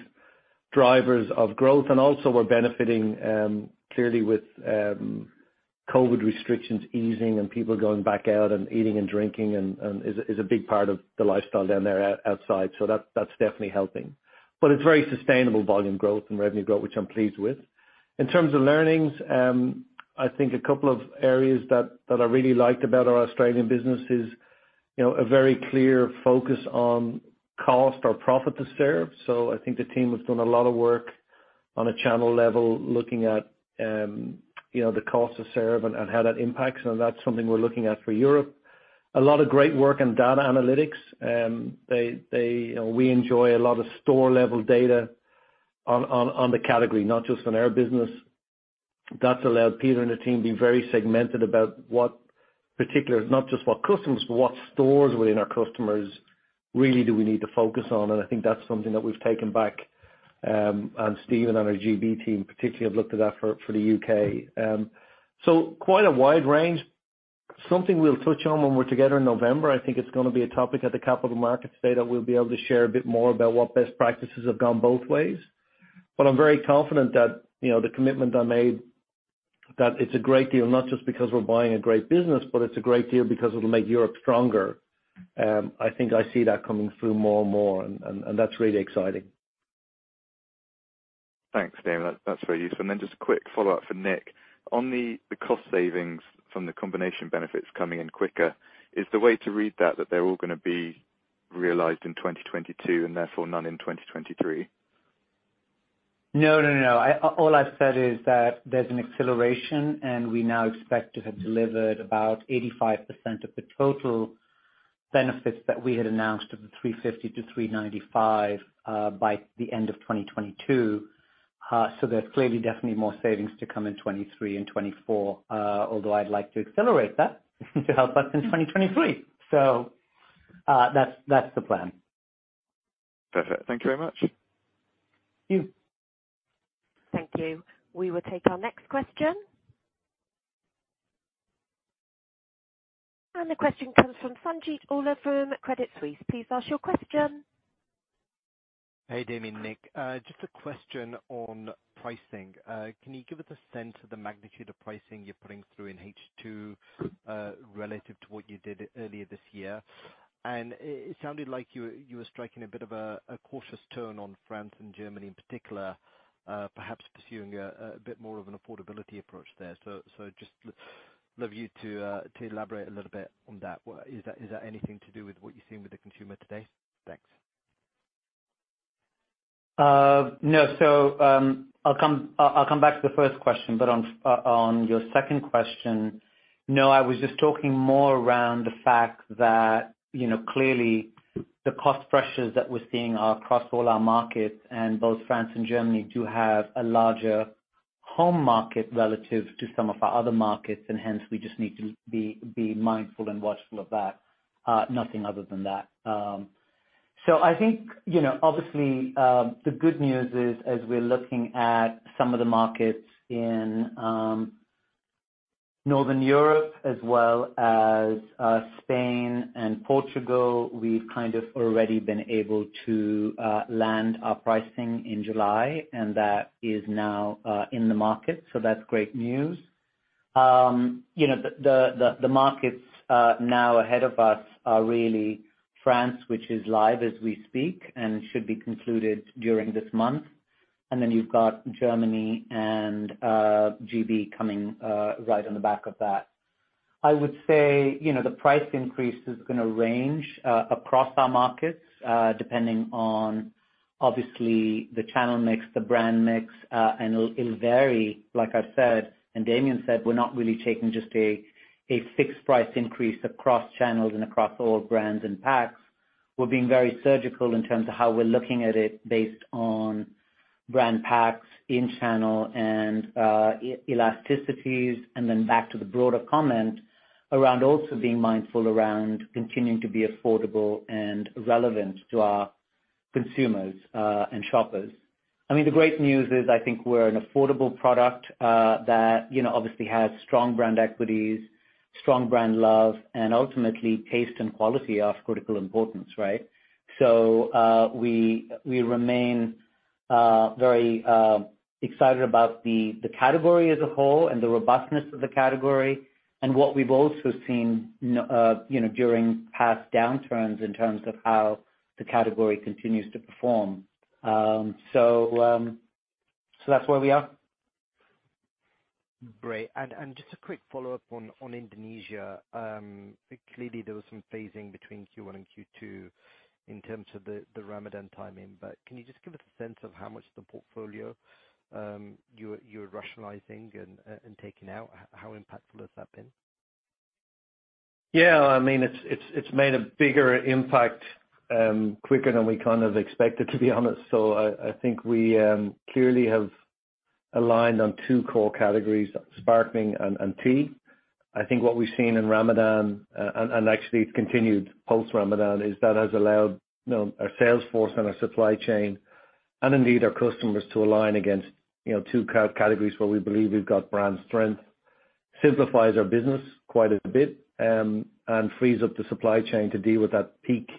drivers of growth. Also we're benefiting clearly with COVID restrictions easing and people going back out and eating and drinking and is a big part of the lifestyle down there outside. That, that's definitely helping. It's very sustainable volume growth and revenue growth, which I'm pleased with. In terms of learnings, I think a couple of areas that I really liked about our Australian business is, you know, a very clear focus on cost or profit to serve. I think the team has done a lot of work. On a channel level, looking at the cost to serve and how that impacts. That's something we're looking at for Europe. A lot of great work in data analytics. We enjoy a lot of store level data on the category, not just on our business. That's allowed Peter and the team be very segmented about not just what customers, but what stores within our customers really do we need to focus on. I think that's something that we've taken back, and Steve and on our GB team particularly have looked at that for the U.K.. Quite a wide range. Something we'll touch on when we're together in November. I think it's gonna be a topic at the capital markets today that we'll be able to share a bit more about what best practices have gone both ways. I'm very confident that, you know, the commitment I made, that it's a great deal, not just because we're buying a great business, but it's a great deal because it'll make Europe stronger. I think I see that coming through more and more, and that's really exciting. Thanks, Damian. That's very useful. Then just a quick follow-up for Nik. On the cost savings from the combination benefits coming in quicker, is the way to read that they're all gonna be realized in 2022 and therefore none in 2023? No, no. I, all I've said is that there's an acceleration, and we now expect to have delivered about 85% of the total benefits that we had announced of the 350 to 395 by the end of 2022. There's clearly definitely more savings to come in 2023 and 2024, although I'd like to accelerate that to help us in 2023. That's the plan. Perfect. Thank you very much. Thank you. Thank you. We will take our next question. The question comes from Sanjeet Aujla from Credit Suisse. Please ask your question. Hey, Damian, Nik. Just a question on pricing. Can you give us a sense of the magnitude of pricing you're putting through in H2, relative to what you did earlier this year? It sounded like you were striking a bit of a cautious tone on France and Germany in particular, perhaps pursuing a bit more of an affordability approach there. Just love you to elaborate a little bit on that. Is that anything to do with what you're seeing with the consumer today? Thanks. No. I'll come back to the first question. On your second question, no, I was just talking more around the fact that, you know, clearly the cost pressures that we're seeing are across all our markets, and both France and Germany do have a larger home market relative to some of our other markets, and hence we just need to be mindful and watchful of that. Nothing other than that. I think, you know, obviously, the good news is, as we're looking at some of the markets in Northern Europe as well as Spain and Portugal, we've kind of already been able to land our pricing in July, and that is now in the market, so that's great news. You know, the markets now ahead of us are really France, which is live as we speak and should be concluded during this month, and then you've got Germany and GB coming right on the back of that. I would say, you know, the price increase is gonna range across our markets depending on obviously the channel mix, the brand mix, and it'll vary, like I've said and Damian said, we're not really taking just a fixed price increase across channels and across all brands and packs. We're being very surgical in terms of how we're looking at it based on brand packs, in channel, and elasticities, and then back to the broader comment around also being mindful around continuing to be affordable and relevant to our consumers and shoppers. I mean, the great news is I think we're an affordable product that you know obviously has strong brand equities, strong brand love, and ultimately taste and quality are of critical importance, right? We remain very excited about the category as a whole and the robustness of the category and what we've also seen you know during past downturns in terms of how the category continues to perform. That's where we are. Great. Just a quick follow-up on Indonesia. Clearly there was some phasing between Q1 and Q2 in terms of the Ramadan timing, but can you just give us a sense of how much of the portfolio you're rationalizing and taking out? How impactful has that been? Yeah. I mean, it's made a bigger impact quicker than we kind of expected, to be honest. I think we clearly have aligned on two core categories, sparkling and tea. I think what we've seen in Ramadan and actually it's continued post-Ramadan is that has allowed you know our sales force and our supply chain and indeed our customers to align against you know two categories where we believe we've got brand strength. Simplifies our business quite a bit and frees up the supply chain to deal with that peak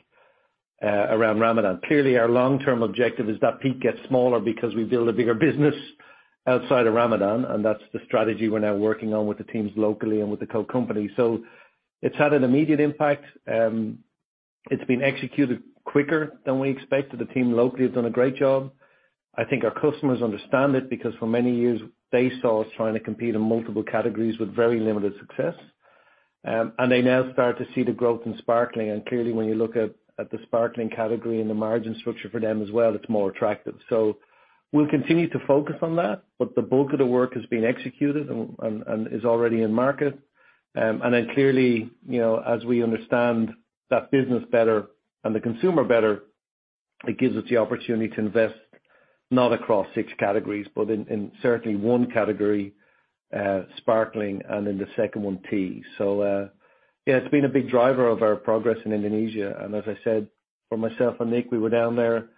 around Ramadan. Clearly, our long-term objective is that peak gets smaller because we build a bigger business outside of Ramadan, and that's the strategy we're now working on with the teams locally and with the Coke company. It's had an immediate impact. It's been executed quicker than we expected. The team locally has done a great job. I think our customers understand it because for many years they saw us trying to compete in multiple categories with very limited success. They now start to see the growth in sparkling. Clearly, when you look at the sparkling category and the margin structure for them as well, it's more attractive. We'll continue to focus on that, but the bulk of the work has been executed and is already in market. Clearly, you know, as we understand that business better and the consumer better, it gives us the opportunity to invest, not across six categories, but in certainly one category, sparkling, and in the second one, tea. Yeah, it's been a big driver of our progress in Indonesia. As I said, for myself and Nik, we were down there,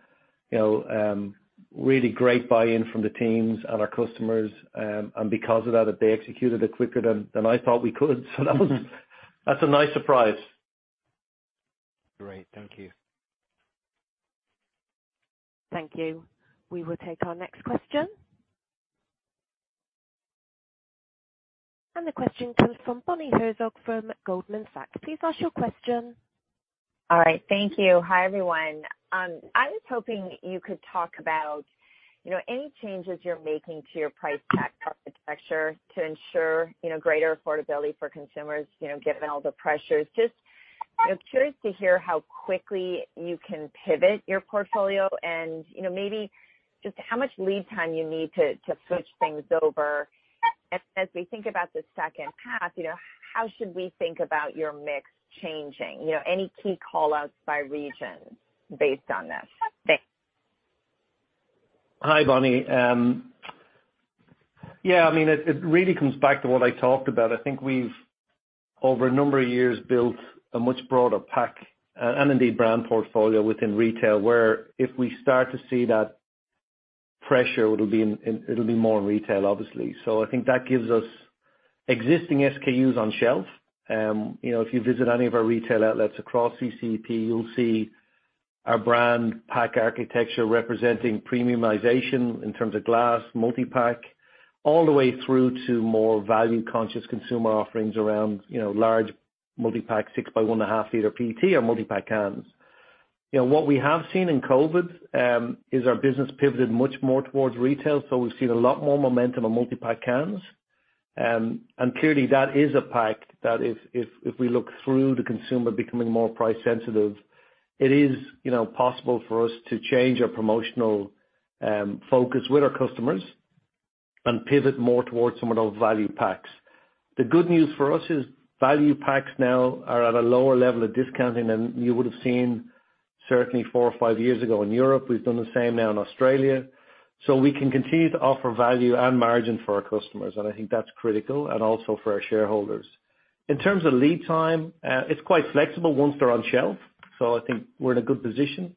you know, really great buy-in from the teams and our customers, and because of that, they executed it quicker than I thought we could. That was a nice surprise. Great. Thank you. Thank you. We will take our next question. The question comes from Bonnie Herzog from Goldman Sachs. Please ask your question. All right. Thank you. Hi, everyone. I was hoping you could talk about, you know, any changes you're making to your price pack architecture to ensure, you know, greater affordability for consumers, you know, given all the pressures. Just, you know, curious to hear how quickly you can pivot your portfolio and, you know, maybe just how much lead time you need to switch things over. As we think about the second half, you know, how should we think about your mix changing? You know, any key callouts by region based on this? Thanks. Hi, Bonnie. I mean, it really comes back to what I talked about. I think we've over a number of years built a much broader pack and indeed brand portfolio within retail, where if we start to see that pressure, it'll be more in retail, obviously. I think that gives us existing SKUs on shelf. You know, if you visit any of our retail outlets across CCEP, you'll see our brand pack architecture representing premiumization in terms of glass, multi-pack, all the way through to more value-conscious consumer offerings around, you know, large multi-pack, six by 1.5-liter PET or multi-pack cans. You know, what we have seen in COVID is our business pivoted much more towards retail, so we've seen a lot more momentum on multi-pack cans. Clearly that is a pack that if we look through the consumer becoming more price sensitive, it is, you know, possible for us to change our promotional focus with our customers and pivot more towards some of those value packs. The good news for us is value packs now are at a lower level of discounting than you would have seen certainly four or five years ago in Europe. We've done the same now in Australia. We can continue to offer value and margin for our customers, and I think that's critical, and also for our shareholders. In terms of lead time, it's quite flexible once they're on shelf, so I think we're in a good position.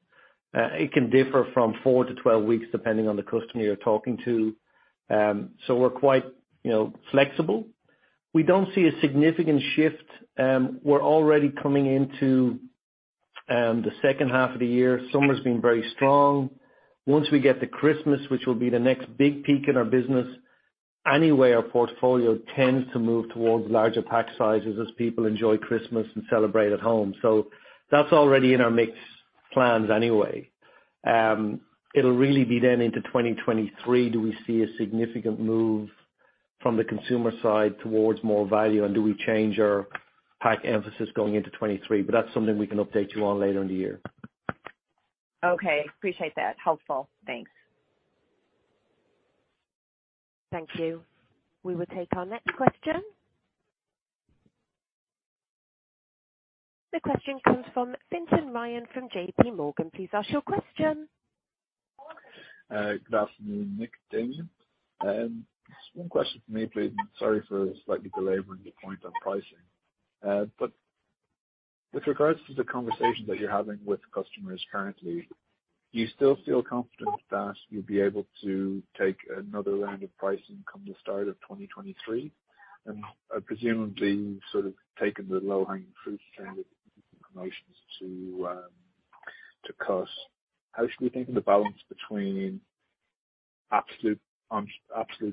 It can differ from 4 to 12 weeks, depending on the customer you're talking to. We're quite, you know, flexible. We don't see a significant shift. We're already coming into the second half of the year. Summer's been very strong. Once we get to Christmas, which will be the next big peak in our business, anyway, our portfolio tends to move towards larger pack sizes as people enjoy Christmas and celebrate at home. That's already in our mix plans anyway. It'll really be then into 2023, do we see a significant move from the consumer side towards more value, and do we change our pack emphasis going into 2023? That's something we can update you on later in the year. Okay. Appreciate that. Helpful. Thanks. Thank you. We will take our next question. The question comes from Fintan Ryan from J.P. Morgan. Please ask your question. Good afternoon, Nik, Damian. Just one question for me, please. Sorry for slightly belaboring the point on pricing. With regards to the conversation that you're having with customers currently, do you still feel confident that you'll be able to take another round of pricing come the start of 2023? And presumably, you've sort of taken the low-hanging fruit in terms of promotions to cost. How should we think of the balance between absolute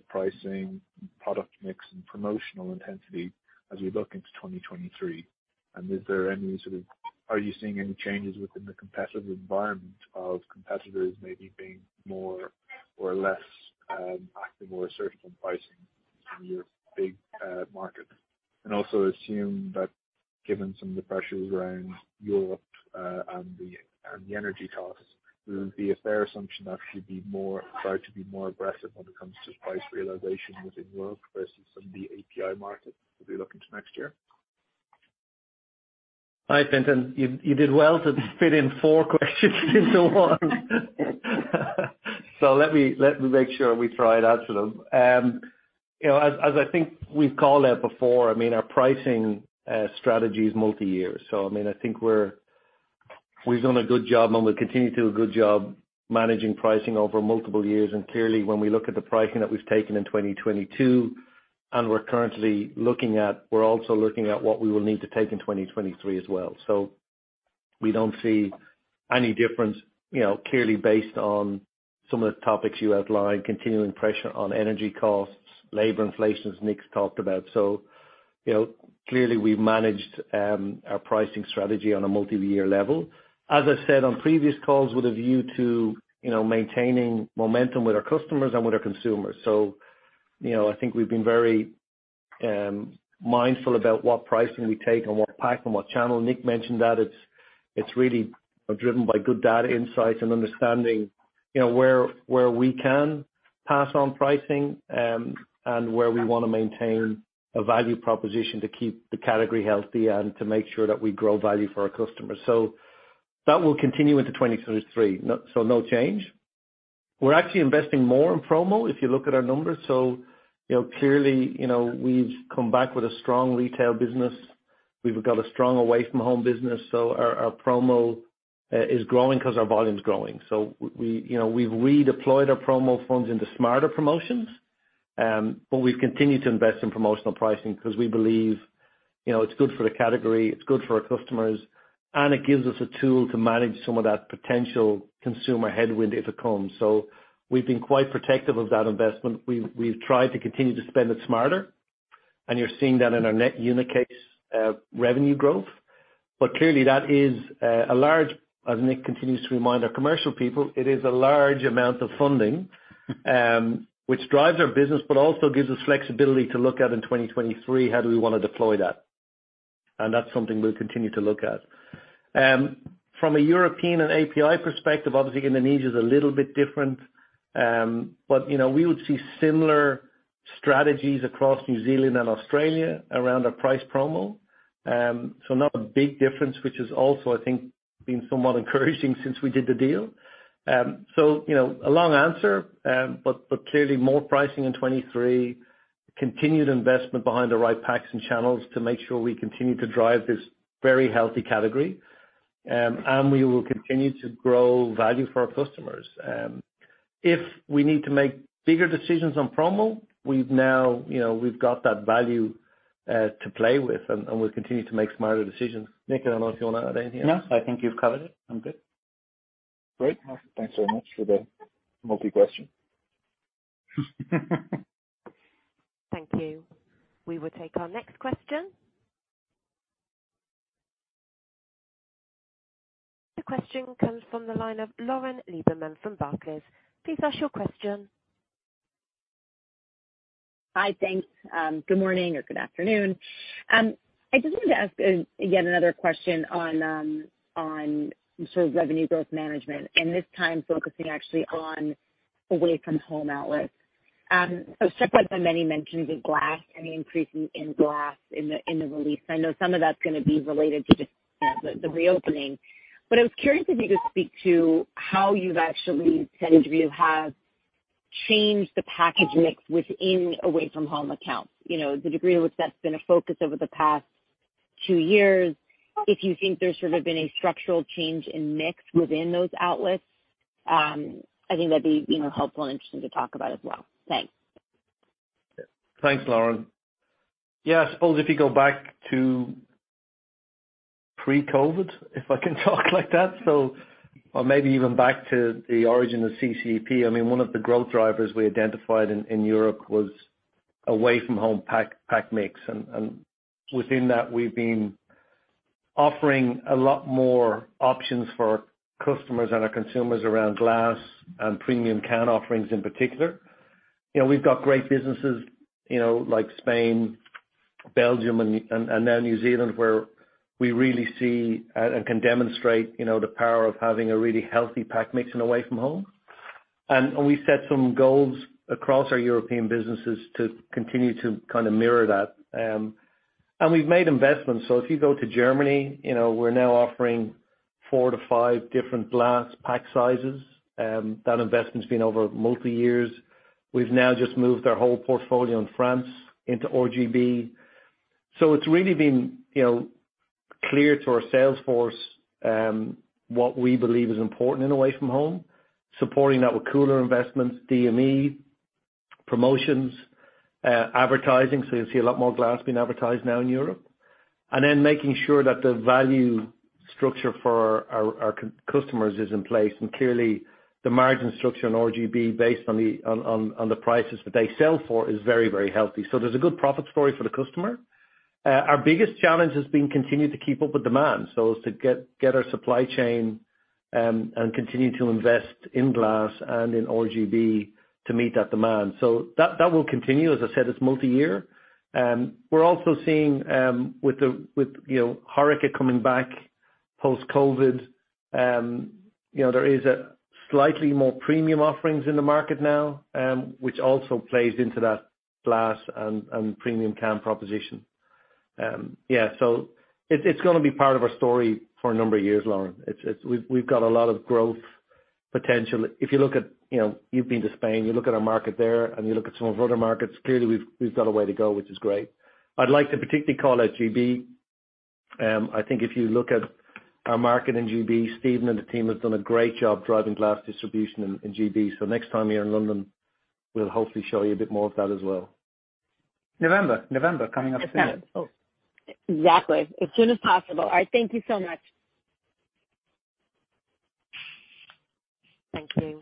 pricing, product mix, and promotional intensity as we look into 2023? And is there any sort of. Are you seeing any changes within the competitive environment of competitors maybe being more or less active or assertive on pricing in your big markets? Also assume that given some of the pressures around Europe, and the energy costs, would it be a fair assumption that you'd start to be more aggressive when it comes to price realization within Europe versus some of the API markets as we look into next year? Hi, Fintan. You did well to fit in four questions into one. Let me make sure we try to answer them. You know, as I think we've called out before, I mean, our pricing strategy is multi-year. I mean, I think we've done a good job and we'll continue to do a good job managing pricing over multiple years. Clearly, when we look at the pricing that we've taken in 2022, and we're currently looking at what we will need to take in 2023 as well. We don't see any difference, you know, clearly based on some of the topics you outlined, continuing pressure on energy costs, labor inflations, Nik's talked about. You know, clearly we've managed our pricing strategy on a multi-year level. As I said on previous calls, with a view to, you know, maintaining momentum with our customers and with our consumers. You know, I think we've been very mindful about what pricing we take and what pack and what channel. Nik mentioned that it's really driven by good data insights and understanding, you know, where we can pass on pricing and where we wanna maintain a value proposition to keep the category healthy and to make sure that we grow value for our customers. That will continue into 2023. No change. We're actually investing more in promo, if you look at our numbers. You know, clearly, you know, we've come back with a strong retail business. We've got a strong away from home business, so our promo is growing 'cause our volume is growing. We, you know, we've redeployed our promo funds into smarter promotions, but we've continued to invest in promotional pricing because we believe, you know, it's good for the category, it's good for our customers, and it gives us a tool to manage some of that potential consumer headwind if it comes. We've been quite protective of that investment. We've tried to continue to spend it smarter, and you're seeing that in our net unit case revenue growth. Clearly that is a large, as Nik continues to remind our commercial people, it is a large amount of funding, which drives our business, but also gives us flexibility to look at in 2023, how do we wanna deploy that? That's something we'll continue to look at. From a European and API perspective, obviously Indonesia is a little bit different, but you know, we would see similar strategies across New Zealand and Australia around our price promo. Not a big difference, which has also, I think, been somewhat encouraging since we did the deal. You know, a long answer, but clearly more pricing in 2023, continued investment behind the right packs and channels to make sure we continue to drive this very healthy category. We will continue to grow value for our customers. If we need to make bigger decisions on promo, we've now you know, we've got that value to play with, and we'll continue to make smarter decisions. Nik, I don't know if you wanna add anything else. No, I think you've covered it. I'm good. Great. Thanks so much for the multi question. Thank you. We will take our next question. The question comes from the line of Lauren Lieberman from Barclays. Please ask your question. Hi. Thanks. Good morning or good afternoon. I just wanted to ask, again, another question on sort of revenue growth management, and this time focusing actually on away from home outlets. Struck by the many mentions of glass, any increases in glass in the release. I know some of that's gonna be related to just the reopening. I was curious if you could speak to how you've actually, to the degree you have, changed the package mix within away from home accounts. You know, the degree to which that's been a focus over the past two years, if you think there's sort of been a structural change in mix within those outlets. I think that'd be, you know, helpful and interesting to talk about as well. Thanks. Thanks, Lauren. Yeah, I suppose if you go back to pre-COVID, if I can talk like that, so or maybe even back to the origin of CCEP, I mean, one of the growth drivers we identified in Europe was away from home pack mix. Within that, we've been offering a lot more options for our customers and our consumers around glass and premium can offerings in particular. You know, we've got great businesses, you know, like Spain, Belgium, and now New Zealand, where we really see and can demonstrate, you know, the power of having a really healthy pack mix and away from home. We set some goals across our European businesses to continue to kinda mirror that. We've made investments. If you go to Germany, you know, we're now offering four to five different glass pack sizes. That investment's been over multi years. We've now just moved our whole portfolio in France into RGB. It's really been, you know, clear to our sales force what we believe is important in away-from-home, supporting that with cooler investments, DME, promotions, advertising, so you'll see a lot more glass being advertised now in Europe. Then making sure that the value structure for our customers is in place. Clearly, the margin structure on RGB based on the prices that they sell for is very, very healthy. There's a good profit story for the customer. Our biggest challenge has been continuing to keep up with demand, so is to get our supply chain and continue to invest in glass and in RGB to meet that demand. That will continue. As I said, it's multi-year. We're also seeing with you know, HoReCa coming back post-COVID, you know, there is a slightly more premium offerings in the market now, which also plays into that glass and premium can proposition. Yeah, so it's gonna be part of our story for a number of years, Lauren. It's we've got a lot of growth potential. If you look at, you know, you've been to Spain, you look at our market there, and you look at some of our other markets, clearly we've got a way to go, which is great. I'd like to particularly call out GB. I think if you look at our market in GB, Stephen and the team have done a great job driving glass distribution in GB. Next time you're in London, we'll hopefully show you a bit more of that as well. November, coming up soon. Exactly. As soon as possible. All right. Thank you so much. Thank you.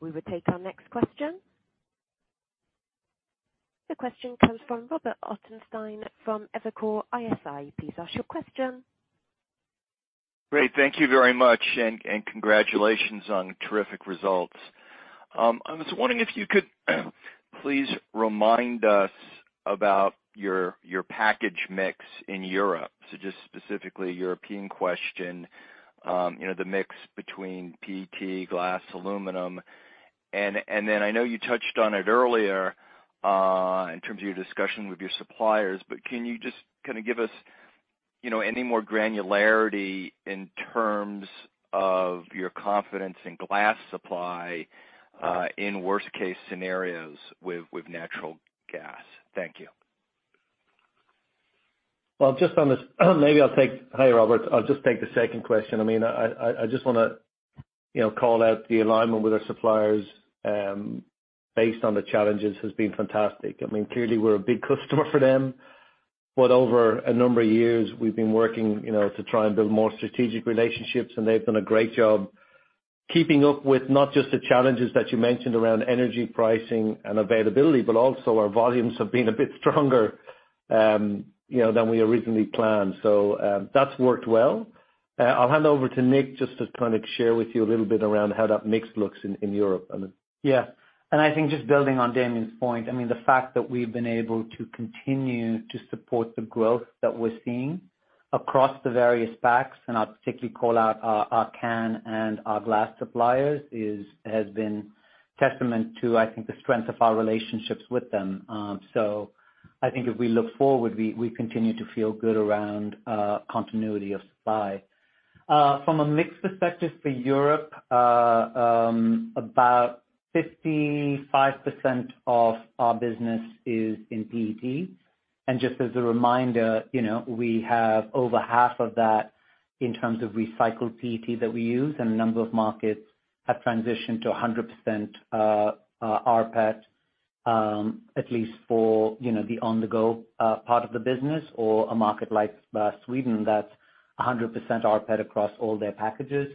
We will take our next question. The question comes from Robert Ottenstein from Evercore ISI. Please ask your question. Great. Thank you very much, and congratulations on terrific results. I was wondering if you could please remind us about your packaging mix in Europe. Just specifically European question, you know, the mix between PET, glass, aluminum. And then I know you touched on it earlier, in terms of your discussion with your suppliers, but can you just kinda give us, you know, any more granularity in terms of your confidence in glass supply, in worst case scenarios with natural gas? Thank you. Hi, Robert. I'll just take the second question. I mean, I just wanna, you know, call out the alignment with our suppliers based on the challenges has been fantastic. I mean, clearly, we're a big customer for them, but over a number of years, we've been working, you know, to try and build more strategic relationships, and they've done a great job keeping up with not just the challenges that you mentioned around energy pricing and availability, but also our volumes have been a bit stronger, you know, than we originally planned. That's worked well. I'll hand over to Nik just to kind of share with you a little bit around how that mix looks in Europe. I think just building on Damian's point, I mean, the fact that we've been able to continue to support the growth that we're seeing across the various packs, and I'll particularly call out our can and our glass suppliers has been testament to, I think, the strength of our relationships with them. I think if we look forward, we continue to feel good around continuity of supply. From a mix perspective for Europe, about 55% of our business is in PET. Just as a reminder, you know, we have over half of that in terms of recycled PET that we use, and a number of markets have transitioned to 100% rPET, at least for, you know, the on-the-go part of the business or a market like Sweden that's 100% rPET across all their packages.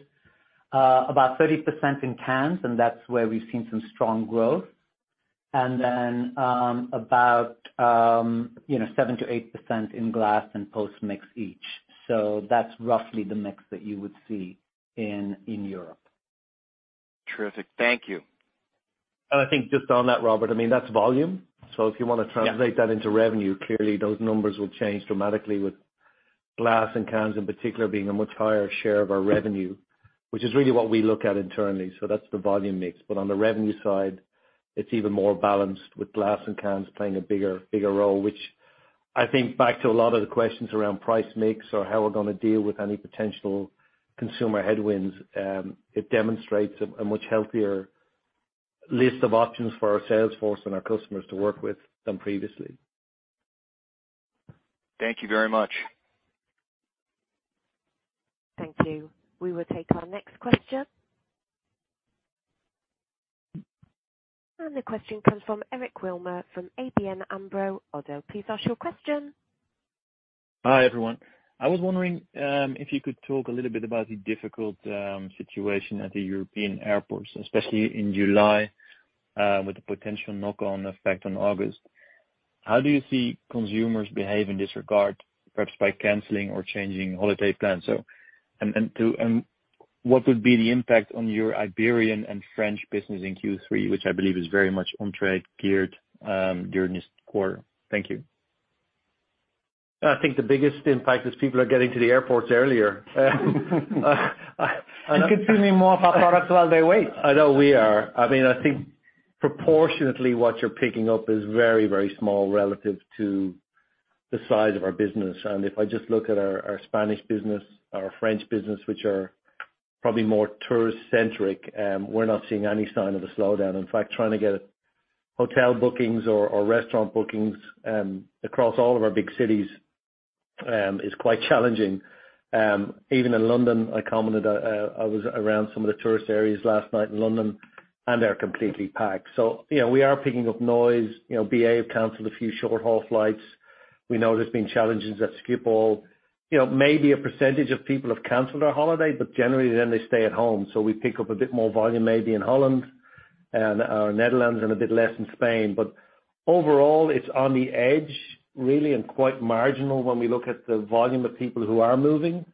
About 30% in cans, and that's where we've seen some strong growth. About, you know, 7% to 8% in glass and post-mix each. That's roughly the mix that you would see in Europe. Terrific. Thank you. I think just on that, Robert, I mean, that's volume. Yeah. If you wanna translate that into revenue, clearly those numbers will change dramatically with glass and cans in particular being a much higher share of our revenue, which is really what we look at internally. That's the volume mix. On the revenue side, it's even more balanced with glass and cans playing a bigger role, which I think back to a lot of the questions around price mix or how we're gonna deal with any potential consumer headwinds, it demonstrates a much healthier list of options for our sales force and our customers to work with than previously. Thank you very much. Thank you. We will take our next question. The question comes from Eric Wilmer from ABN AMRO and ODDO. Please ask your question. Hi, everyone. I was wondering if you could talk a little bit about the difficult situation at the European airports, especially in July, with the potential knock-on effect on August. How do you see consumers behave in this regard, perhaps by canceling or changing holiday plans? What would be the impact on your Iberian and French business in Q3, which I believe is very much on-trade geared during this quarter? Thank you. I think the biggest impact is people are getting to the airports earlier. Consuming more of our products while they wait. I know we are. I mean, I think proportionately, what you're picking up is very, very small relative to the size of our business. If I just look at our Spanish business, our French business, which are probably more tourist-centric, we're not seeing any sign of a slowdown. In fact, trying to get hotel bookings or restaurant bookings across all of our big cities is quite challenging. Even in London, I commented, I was around some of the tourist areas last night in London, and they're completely packed. You know, we are picking up noise. You know, BA have canceled a few short-haul flights. We know there's been challenges at Schiphol. You know, maybe a percentage of people have canceled their holiday, but generally, then they stay at home. We pick up a bit more volume maybe in Holland and or Netherlands and a bit less in Spain. Overall, it's on the edge, really, and quite marginal when we look at the volume of people who are moving.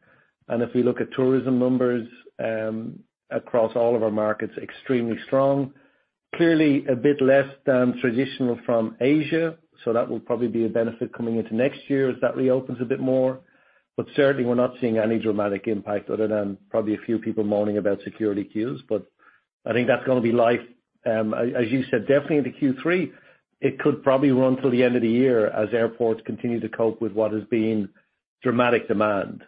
If we look at tourism numbers across all of our markets, extremely strong. Clearly a bit less than traditional from Asia, so that will probably be a benefit coming into next year as that reopens a bit more. Certainly we're not seeing any dramatic impact other than probably a few people moaning about security queues. I think that's gonna be life. As you said, definitely into Q3, it could probably run till the end of the year as airports continue to cope with what has been dramatic demand.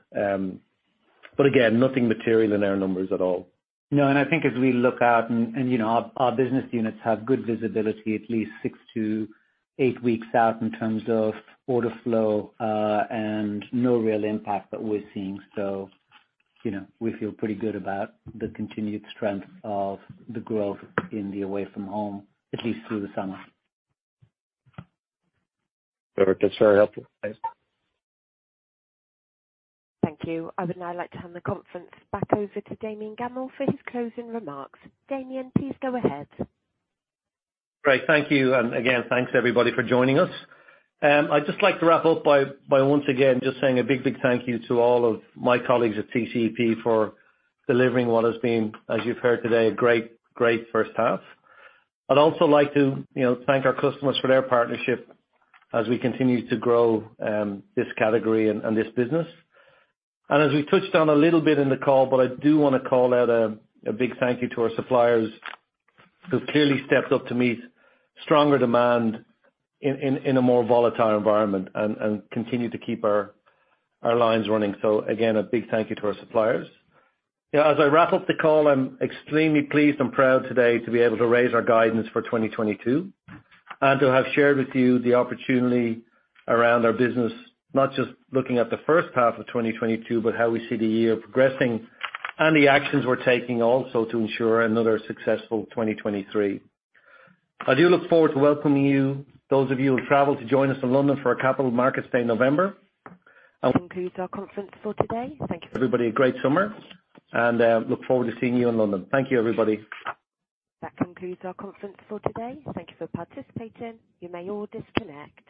Again, nothing material in our numbers at all. No, I think as we look out and, you know, our business units have good visibility at least 6 to 8 weeks out in terms of order flow, and no real impact that we're seeing. You know, we feel pretty good about the continued strength of the growth in the away from home, at least through the summer. Perfect. That's very helpful. Thanks. Thank you. I would now like to hand the conference back over to Damian Gammell for his closing remarks. Damian, please go ahead. Great. Thank you. Again, thanks everybody for joining us. I'd just like to wrap up by once again just saying a big thank you to all of my colleagues at CCEP for delivering what has been, as you've heard today, a great first half. I'd also like to, you know, thank our customers for their partnership as we continue to grow this category and this business. As we touched on a little bit in the call, I do wanna call out a big thank you to our suppliers who've clearly stepped up to meet stronger demand in a more volatile environment and continue to keep our lines running. Again, a big thank you to our suppliers. You know, as I wrap up the call, I'm extremely pleased and proud today to be able to raise our guidance for 2022 and to have shared with you the opportunity around our business, not just looking at the first half of 2022, but how we see the year progressing and the actions we're taking also to ensure another successful 2023. I do look forward to welcoming you, those of you who travel to join us in London for our Capital Markets Day in November. This concludes our conference for today. Thank you. Everybody, a great summer, and look forward to seeing you in London. Thank you, everybody. That concludes our conference for today. Thank you for participating. You may all disconnect.